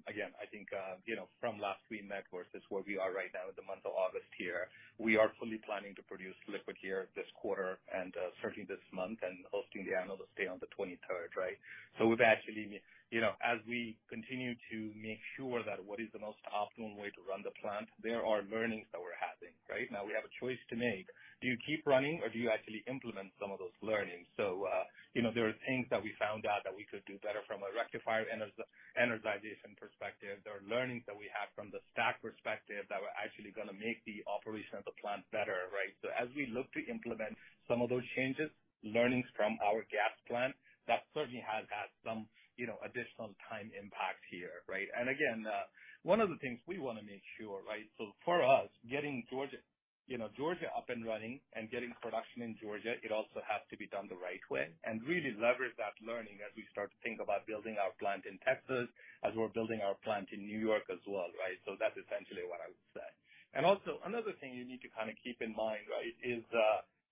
Again, I think, you know, from last we met versus where we are right now in the month of August here, we are fully planning to produce liquid here this quarter and certainly this month and hosting the analyst day on the 23rd, right? We've actually, you know, as we continue to make sure that what is the most optimum way to run the plant, there are learnings that we're having, right? Now, we have a choice to make. Do you keep running or do you actually implement some of those learnings? You know, there are things that we found out that we could do better from a rectifier energization perspective. There are learnings that we have from the stack perspective that were actually going to make the operation of the plant better, right? As we look to implement some of those changes, learnings from our gas plant, that certainly has had some, you know, additional time impact here, right? And again, one of the things we want to make sure, right, for us, getting Georgia, you know, Georgia up and running and getting production in Georgia, it also has to be done the right way and really leverage that learning as we start to think about building our plant in Texas, as we're building our plant in New York as well, right? That's essentially what I would say. Also, another thing you need to kind of keep in mind, right, is,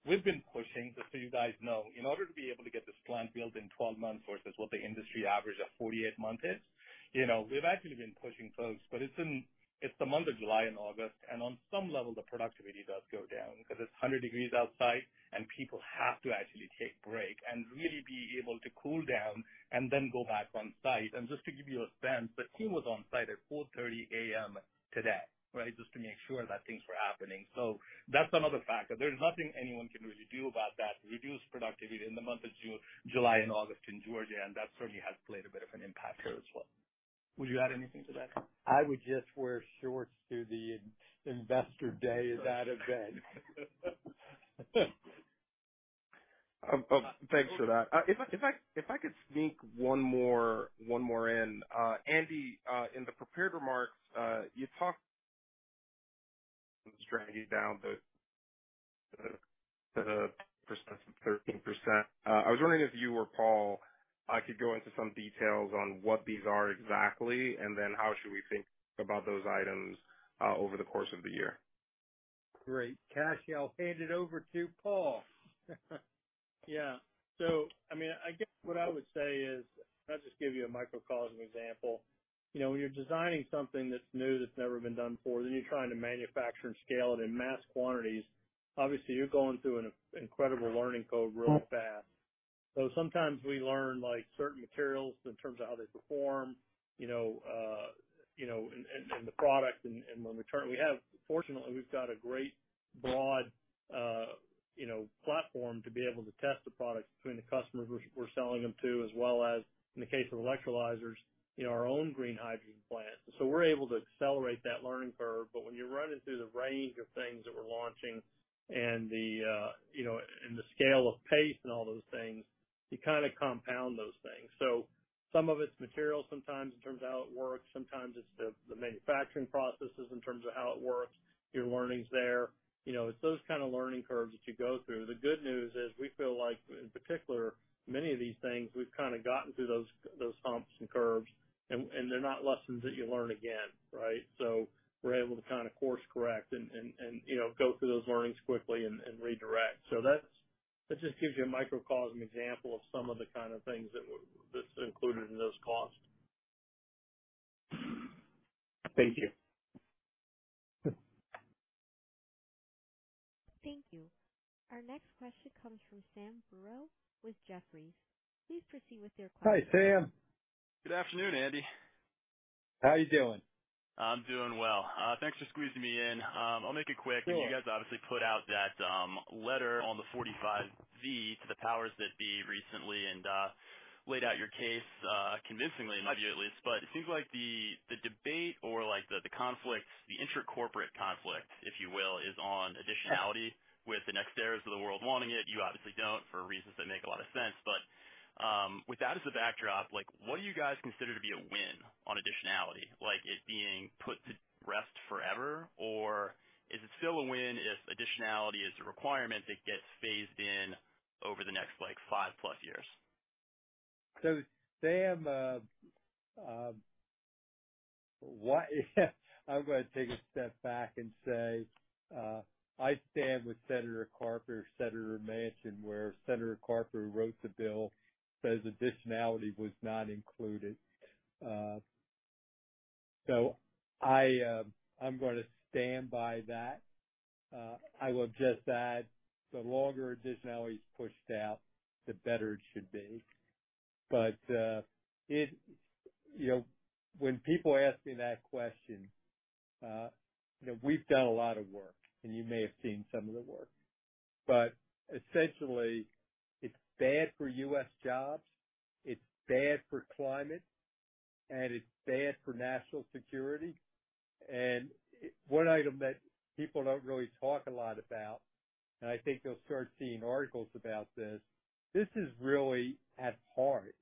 we've been pushing, just so you guys know, in order to be able to get this plant built in 12 months versus what the industry average of 48 months is, you know, we've actually been pushing folks, but it's in, it's the month of July and August, and on some level, the productivity does go down because it's 100 degrees outside and people have to actually take break and really be able to cool down and then go back. Right, just to give you a sense, the team was on site at 4:30 A.M. today, right? Just to make sure that things were happening. That's another factor. There's nothing anyone can really do about that. Reduce productivity in the month of June, July, and August in Georgia, and that certainly has played a bit of an impact here as well. Would you add anything to that? I would just wear shorts to the investor day event. Thanks for that. If I, if I, if I could sneak one more, one more in. Andy, in the prepared remarks, you talked dragging down the percent, 13%. I was wondering if you or Paul could go into some details on what these are exactly, and then how should we think about those items over the course of the year? Great. Kashy, I'll hand it over to Paul. Yeah. I mean, I guess what I would say is, I'll just give you a microcosm example. You know, when you're designing something that's new, that's never been done before, then you're trying to manufacture and scale it in mass quantities, obviously, you're going through an incredible learning curve real fast. Sometimes we learn, like, certain materials in terms of how they perform, you know, in, in, in the product and, and when we return, we have, fortunately, we've got a great broad, you know, platform to be able to test the products between the customers we're, we're selling them to, as well as, in the case of electrolyzers, in our own green hydrogen plant. We're able to accelerate that learning curve, but when you're running through the range of things that we're launching and the, you know, and the scale of pace and all those things, you kind of compound those things. Some of its material, sometimes in terms of how it works, sometimes it's the, the manufacturing processes in terms of how it works, your learnings there. You know, it's those kinds of learning curves that you go through. The good news is we feel like, in particular, many of these things, we've kind of gotten through those, those humps and curves, and, and they're not lessons that you learn again, right? We're able to kind of course correct and, and, and, you know, go through those learnings quickly and, and redirect. That's, that just gives you a microcosm example of some of the kind of things that that's included in those costs. Thank you. Thank you. Our next question comes from Sam Burwell with Jefferies. Please proceed with your question. Hi, Sam. Good afternoon, Andy. How are you doing? I'm doing well. Thanks for squeezing me in. I'll make it quick. Sure. You guys obviously put out that letter on the 45V to the powers that be recently and laid out your case convincingly, to me at least. It seems like the, the debate or like the, the conflict, the intracorporate conflict, if you will, is on additionality with the NextEras of the world wanting it. You obviously don't, for reasons that make a lot of sense. With that as the backdrop, like, what do you guys consider to be a win on additionality? Like it being put to rest forever? Is it still a win if additionality is a requirement that gets phased in over the next, like, 5+ years? Sam, what, I'm going to take a step back and say, I stand with Senator Carper, Senator Manchin, where Senator Carper, who wrote the bill, says additionality was not included. I, I'm going to stand by that. I will just add, the longer additionality is pushed out, the better it should be. It... You know, when people ask me that question, you know, we've done a lot of work, and you may have seen some of the work, but essentially, it's bad for U.S. jobs, it's bad for climate, and it's bad for national security. One item that people don't really talk a lot about, and I think you'll start seeing articles about this, this is really at heart.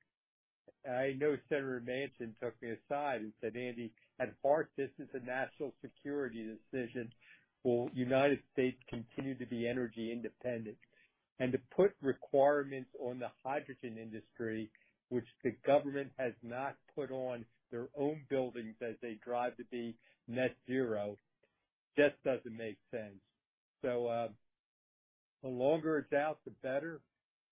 I know Senator Manchin took me aside and said, "Andy, at heart, this is a national security decision. Will United States continue to be energy independent? To put requirements on the hydrogen industry, which the government has not put on their own buildings as they drive to be net zero, just doesn't make sense. The longer it's out, the better.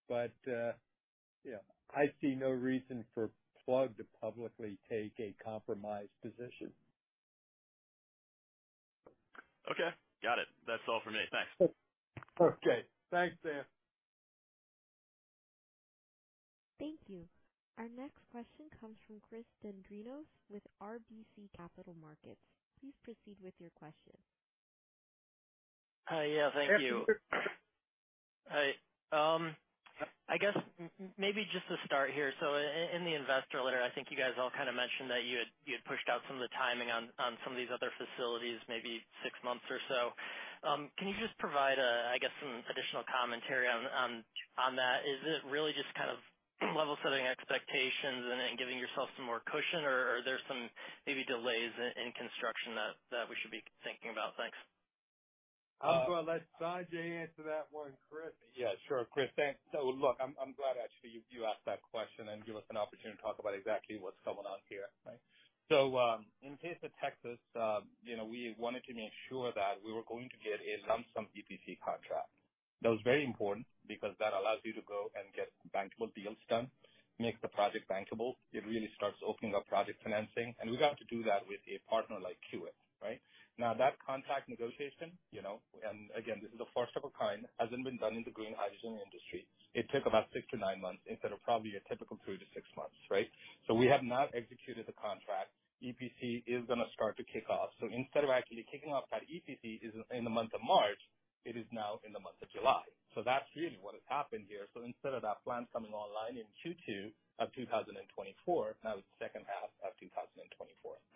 Yeah, I see no reason for Plug to publicly take a compromised position. Okay, got it. That's all for me. Thanks. Okay. Thanks, Sam. Thank you. Our next question comes from Chris Dendrinos with RBC Capital Markets. Please proceed with your question. Yeah, thank you. Hi. I guess maybe just to start here, so in the investor letter, I think you guys all kind of mentioned that you had, you had pushed out some of the timing on, on some of these other facilities, maybe six months or so. Can you just provide, I guess, some additional commentary on that? Is it really just kind of level setting expectations and then giving yourself some more cushion, or, or there's some maybe delays in, in construction that, that we should be thinking about? Thanks. I'm gonna let Sanjay answer that one, Chris. Yeah, sure, Chris, thanks. Look, I'm, I'm glad actually you, you asked that question and give us an opportunity to talk about exactly what's going on here, right? In case of Texas, you know, we wanted to make sure that we were going to get a long-term PPA contract. That was very important because that allows you to go and get bankable deals done, make the project bankable. It really starts opening up project financing. We got to do that with a partner like Kiewit, right? That contract negotiation, you know, and again, this is the first of a kind, hasn't been done in the green hydrogen industry. It took about 6-9 months instead of probably a typical 3-6 months, right? We have not executed the contract. EPC is gonna start to kick off. Instead of actually kicking off that EPC in the month of March, it is now in the month of July. That's really what has happened here. Instead of that plant coming online in Q2 of 2024, now it's second half of 2024.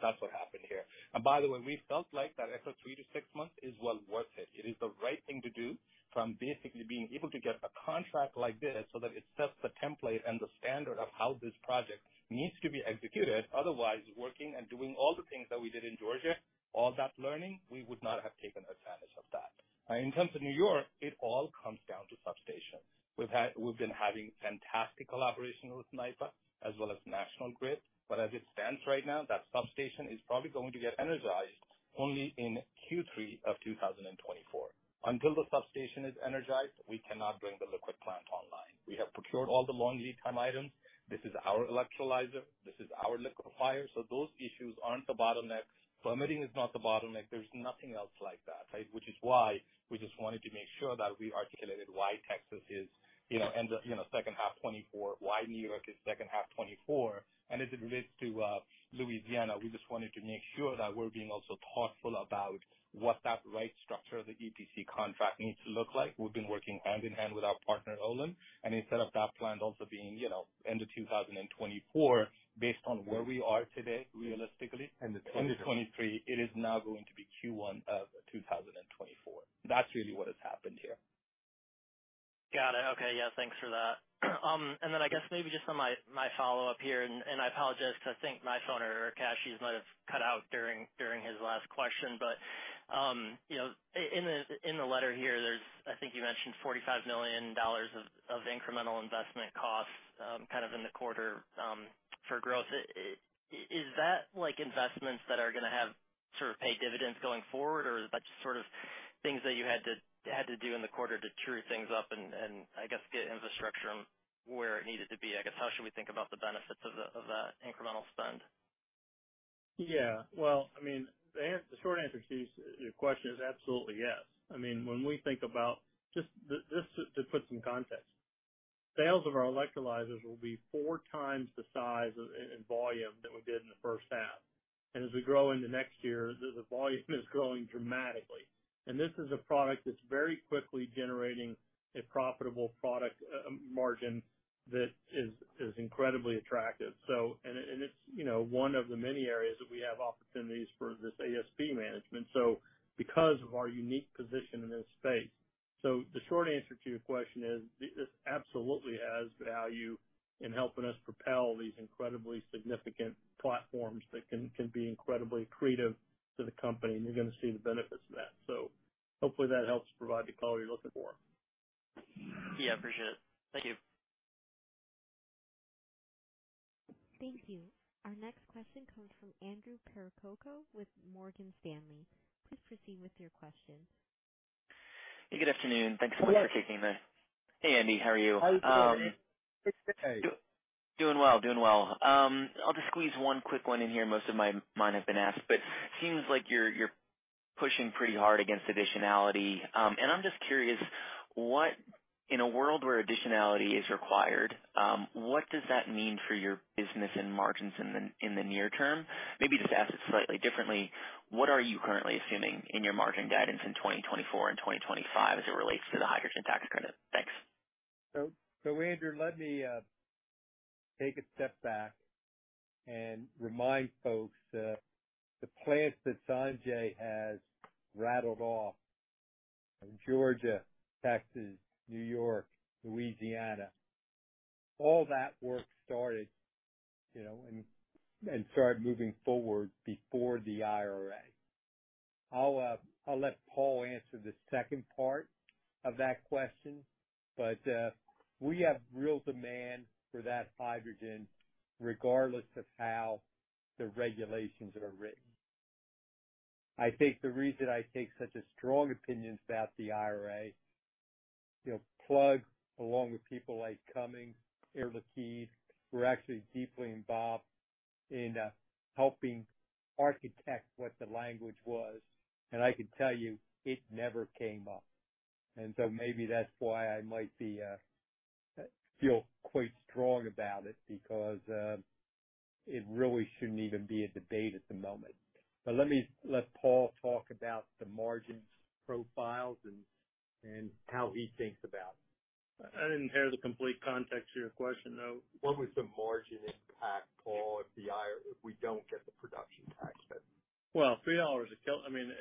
That's what happened here. By the way, we felt like that extra three to six months is well worth it. It is the right thing to do from basically being able to get a contract like this so that it sets the template and the standard of how this project needs to be executed. Otherwise, working and doing all the things that we did in Georgia, all that learning, we would not have taken advantage of that. In terms of New York, it all comes down to substations. We've been having fantastic collaboration with NYPA as well as National Grid. As it stands right now, that substation is probably going to get energized only in Q3 of 2024. Until the substation is energized, we cannot bring the liquid plant online. We have procured all the long lead time items. This is our electrolyzer. This is our liquefier. Those issues aren't the bottlenecks. Permitting is not the bottleneck. There's nothing else like that, right? Which is why we just wanted to make sure that we articulated why Texas is, you know, end of, you know, second half 2024, why New York is second half 2024. As it relates to Louisiana, we just wanted to make sure that we're being also thoughtful about what that right structure of the EPC contract needs to look like. We've been working hand in hand with our partner, Olin, and instead of that plant also being, you know, end of 2024, based on where we are today, realistically- End of 2023. -end of 2023, it is now going to be Q1 of 2024. That's really what has happened here. Got it. Okay. Yeah, thanks for that. I guess maybe just on my, my follow-up here, I apologize because I think my phone or Kashy's might have cut out during his last question. You know, in the letter here, there's, I think you mentioned $45 million of incremental investment costs kind of in the quarter for growth. Is that like investments that are gonna have sort of pay dividends going forward, or is that just sort of things that you had to do in the quarter to true things up and I guess, get infrastructure where it needed to be? I guess, how should we think about the benefits of that incremental spend? Yeah. Well, I mean, the short answer to your question is absolutely, yes. I mean, when we think about, just to put some context, sales of our electrolyzers will be four times the size in volume than we did in the first half. As we grow into next year, the volume is growing dramatically. This is a product that's very quickly generating a profitable product, margin that is incredibly attractive. It's, you know, one of the many areas that we have opportunities for this ASP management, so because of our unique position in this space. The short answer to your question is, this absolutely has value in helping us propel these incredibly significant platforms that can be incredibly accretive to the company, and you're gonna see the benefits of that. Hopefully, that helps provide the color you're looking for. Yeah, appreciate it. Thank you. Thank you. Our next question comes from Andrew Percoco with Morgan Stanley. Please proceed with your question. Hey, good afternoon. Thanks so much for taking this. Hey, Andy, how are you? Doing well. Doing well. I'll just squeeze one quick one in here. Most of my, mine have been asked, but it seems like you're, you're pushing pretty hard against additionality. I'm just curious, what, in a world where additionality is required, what does that mean for your business and margins in the, in the near term? Maybe just ask it slightly differently, what are you currently assuming in your margin guidance in 2024 and 2025 as it relates to the hydrogen tax credit? Thanks. Andrew, let me take a step back and remind folks that the plants that Sanjay has rattled off, Georgia, Texas, New York, Louisiana, all that work started, you know, and started moving forward before the IRA. I'll let Paul answer the second part of that question, but we have real demand for that hydrogen, regardless of how the regulations are written. I think the reason I take such a strong opinion about the IRA, you know, Plug, along with people like Cummins, Air Liquide, we're actually deeply involved in helping architect what the language was, and I can tell you it never came up. Maybe that's why I might be feel quite strong about it because it really shouldn't even be a debate at the moment. Let me let Paul talk about the margins, profiles, and, and how he thinks about it. I didn't hear the complete context to your question, though. What was the margin impact, Paul, if we don't get the production tax credit? Well, $3 a kilo. I mean,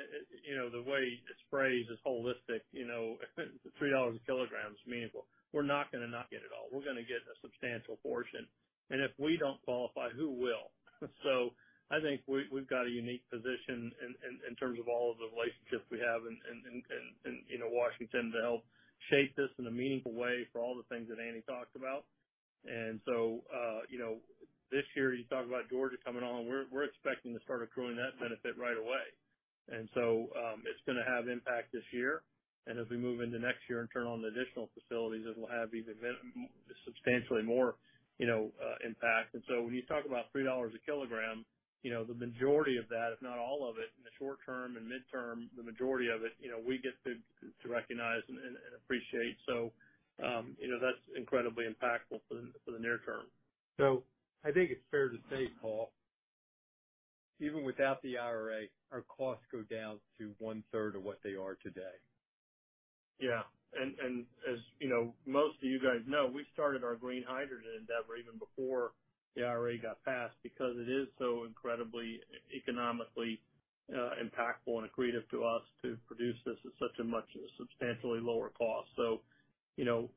you know, the way this phrase is holistic, you know, $3 a kilogram is meaningful. We're not gonna not get it all. We're gonna get a substantial portion. If we don't qualify, who will? I think we've got a unique position in terms of all of the relationships we have in Washington, to help shape this in a meaningful way for all the things that Andy talked about. You know, this year you talk about Georgia coming on. We're, we're expecting to start accruing that benefit right away. It's going to have impact this year, and as we move into next year and turn on the additional facilities, it will have even substantially more, you know, impact. When you talk about $3 a kilogram, you know, the majority of that, if not all of it, in the short term and midterm, the majority of it, you know, we get to, to recognize and, and appreciate. You know, that's incredibly impactful for the, for the near term. I think it's fair to say, Paul, even without the IRA, our costs go down to one third of what they are today. Yeah. As you know, most of you guys know, we started our green hydrogen endeavor even before the IRA got passed, because it is so incredibly economically impactful and accretive to us to produce this at such a much substantially lower cost. You know,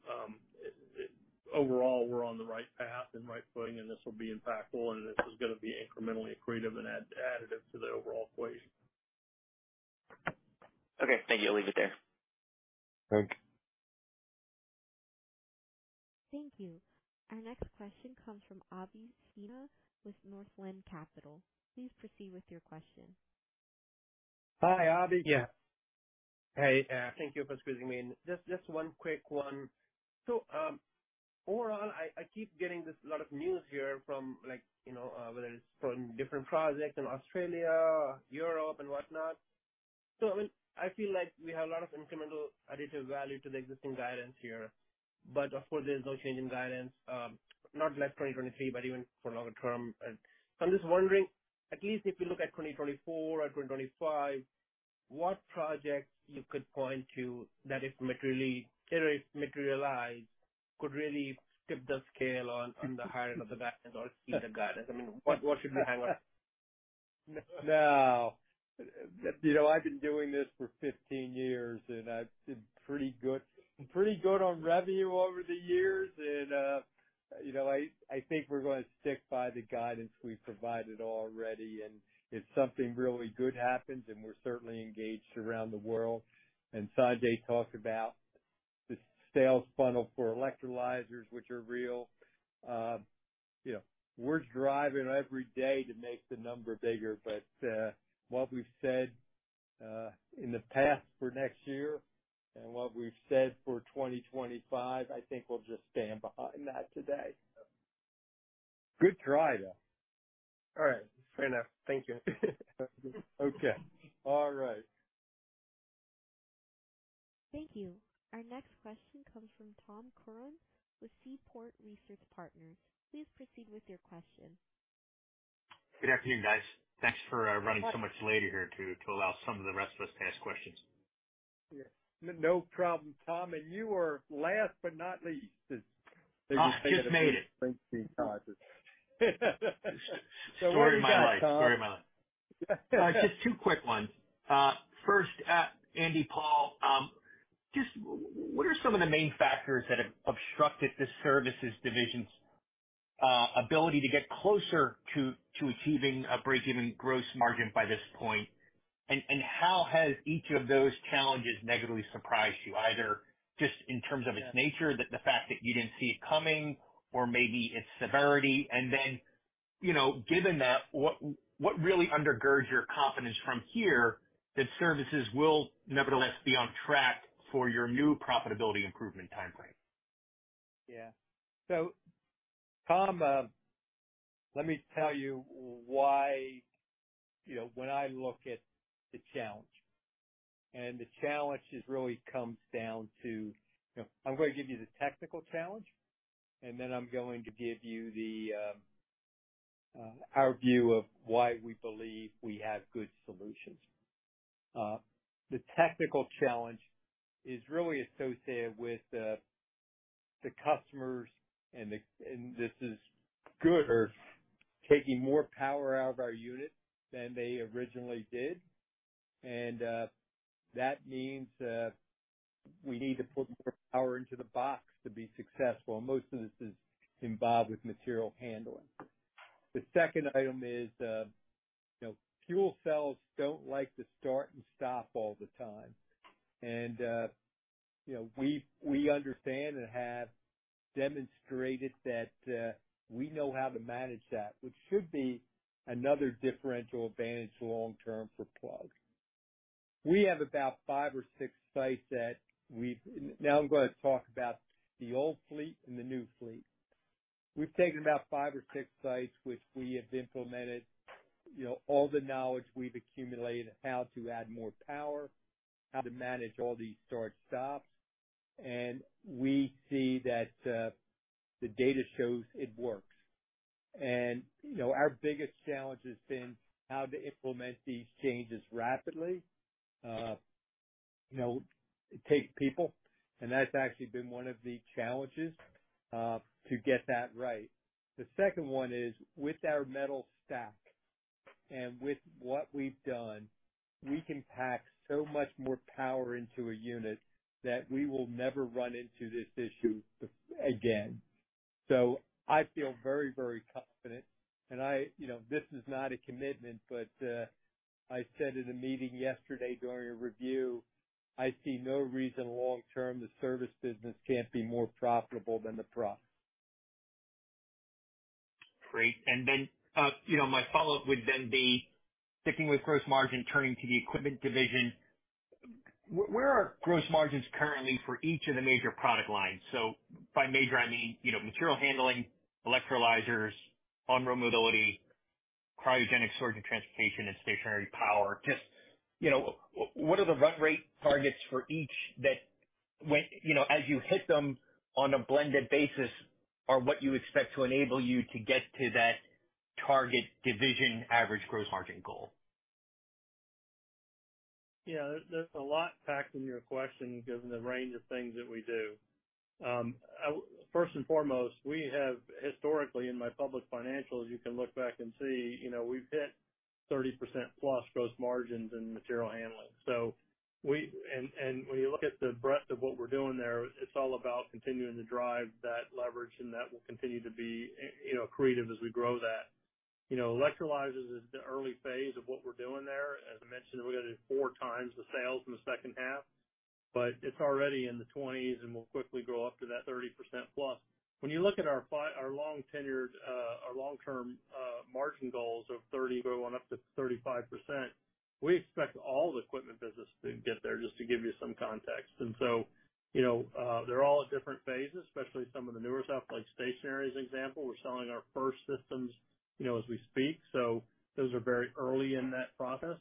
overall, we're on the right path and right footing, and this will be impactful, and this is going to be incrementally accretive and additive to the overall equation. Okay, thank you. I'll leave it there. Thank you. Thank you. Our next question comes from Abhishek Sinha with Northland Capital. Please proceed with your question. Hi, Abhi. Yeah. Hey, thank you for squeezing me in. Just, just 1 quick one. Overall, I, I keep getting this lot of news here from like, you know, whether it's from different projects in Australia, Europe and whatnot. I mean, I feel like we have a lot of incremental additive value to the existing guidance here, but of course, there's no change in guidance, not just 2023, but even for longer term. I'm just wondering, at least if you look at 2024 or 2025, what projects you could point to that if materially, materially materialized, could really tip the scale on, on the higher end of the back end or see the guidance? I mean, what, what should we hang on? Now, you know, I've been doing this for 15 years, and I've did pretty good, pretty good on revenue over the years. You know, I, I think we're going to stick by the guidance we've provided already. If something really good happens, we're certainly engaged around the world, Sanjay talked about the sales funnel for electrolyzers, which are real. You know, we're driving every day to make the number bigger, but what we've said in the past for next year and what we've said for 2025, I think we'll just stand behind that today. Good try, though. All right, fair enough. Thank you. Okay. All right. Thank you. Our next question comes from Tom Curran with Seaport Research Partners. Please proceed with your question. Good afternoon, guys. Thanks for running so much later here to, to allow some of the rest of us to ask questions. Yeah, no problem, Tom, and you are last but not least. I just made it. Story of my life. Story of my life. Just two quick ones. First, Andy, Paul, just what are some of the main factors that have obstructed the services division's ability to get closer to, to achieving a break-even gross margin by this point? How has each of those challenges negatively surprised you, either just in terms of its nature, the, the fact that you didn't see it coming or maybe its severity? Then, you know, given that, what, what really undergirds your confidence from here that services will nevertheless be on track for your new profitability improvement timeframe? Yeah. Tom, let me tell you why, you know, when I look at the challenge, and the challenge is really comes down to... You know, I'm going to give you the technical challenge, and then I'm going to give you the, our view of why we believe we have good solutions. The technical challenge is really associated with the, the customers and, and this is good, are taking more power out of our unit than they originally did. That means, we need to put more power into the box to be successful, and most of this is involved with material handling. The second item is, you know, fuel cells don't like to start and stop all the time. You know, we, we understand and have demonstrated that, we know how to manage that, which should be another differential advantage long term for Plug. We have about five or six sites. Now I'm going to talk about the old fleet and the new fleet. We've taken about five or six sites, which we have implemented, you know, all the knowledge we've accumulated, how to add more power, how to manage all these start, stops, and we see that the data shows it works. You know, our biggest challenge has been how to implement these changes rapidly. You know, it takes people, and that's actually been one of the challenges, to get that right. The second one is, with our metal stack and with what we've done, we can pack so much more power into a unit that we will never run into this issue again. I feel very, very confident, and I, you know, this is not a commitment, but I said in a meeting yesterday during a review. I see no reason long term, the service business can't be more profitable than the product. Great. Then, you know, my follow-up would then be sticking with gross margin, turning to the equipment division. Where are gross margins currently for each of the major product lines? By major, I mean, you know, material handling, electrolyzers, on-road mobility, cryogenic storage and transportation, and stationary power. You know, what are the run rate targets for each that, you know, as you hit them on a blended basis, are what you expect to enable you to get to that target division average gross margin goal? Yeah, there, there's a lot packed in your question given the range of things that we do. I, first and foremost, we have historically, in my public financials, you can look back and see, you know, we've hit 30%+ gross margins in material handling. So we. When you look at the breadth of what we're doing there, it's all about continuing to drive that leverage, and that will continue to be, you know, creative as we grow that. You know, electrolyzers is the early phase of what we're doing there. As I mentioned, we're going to do 4 times the sales in the second half, but it's already in the 20s, and we'll quickly grow up to that 30%+. When you look at our our long tenured, our long-term, margin goals of 30, going up to 35%, we expect all the equipment business to get there, just to give you some context. So, you know, they're all at different phases, especially some of the newer stuff like stationary, as an example. We're selling our first systems, you know, as we speak, so those are very early in that process.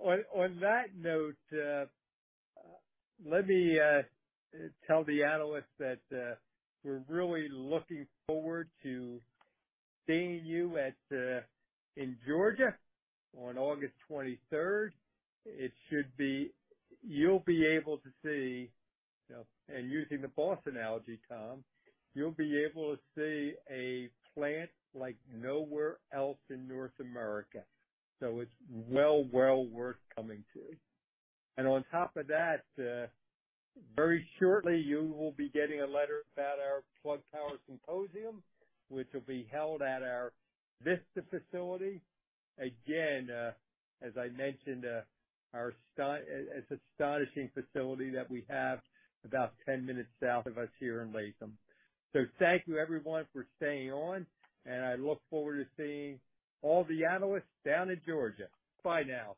On, on that note, let me tell the analysts that we're really looking forward to seeing you at in Georgia on August 23rd. It should be... You'll be able to see, you know, and using the boss analogy, Tom, you'll be able to see a plant like nowhere else in North America, so it's well, well worth coming to. On top of that, very shortly, you will be getting a letter about our Plug Power Symposium, which will be held at our Vista facility. Again, as I mentioned, it's an astonishing facility that we have about 10 minutes south of us here in Latham. Thank you, everyone, for staying on, and I look forward to seeing all the analysts down in Georgia. Bye now.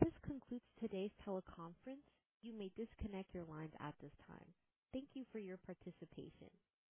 This concludes today's teleconference. You may disconnect your lines at this time. Thank you for your participation.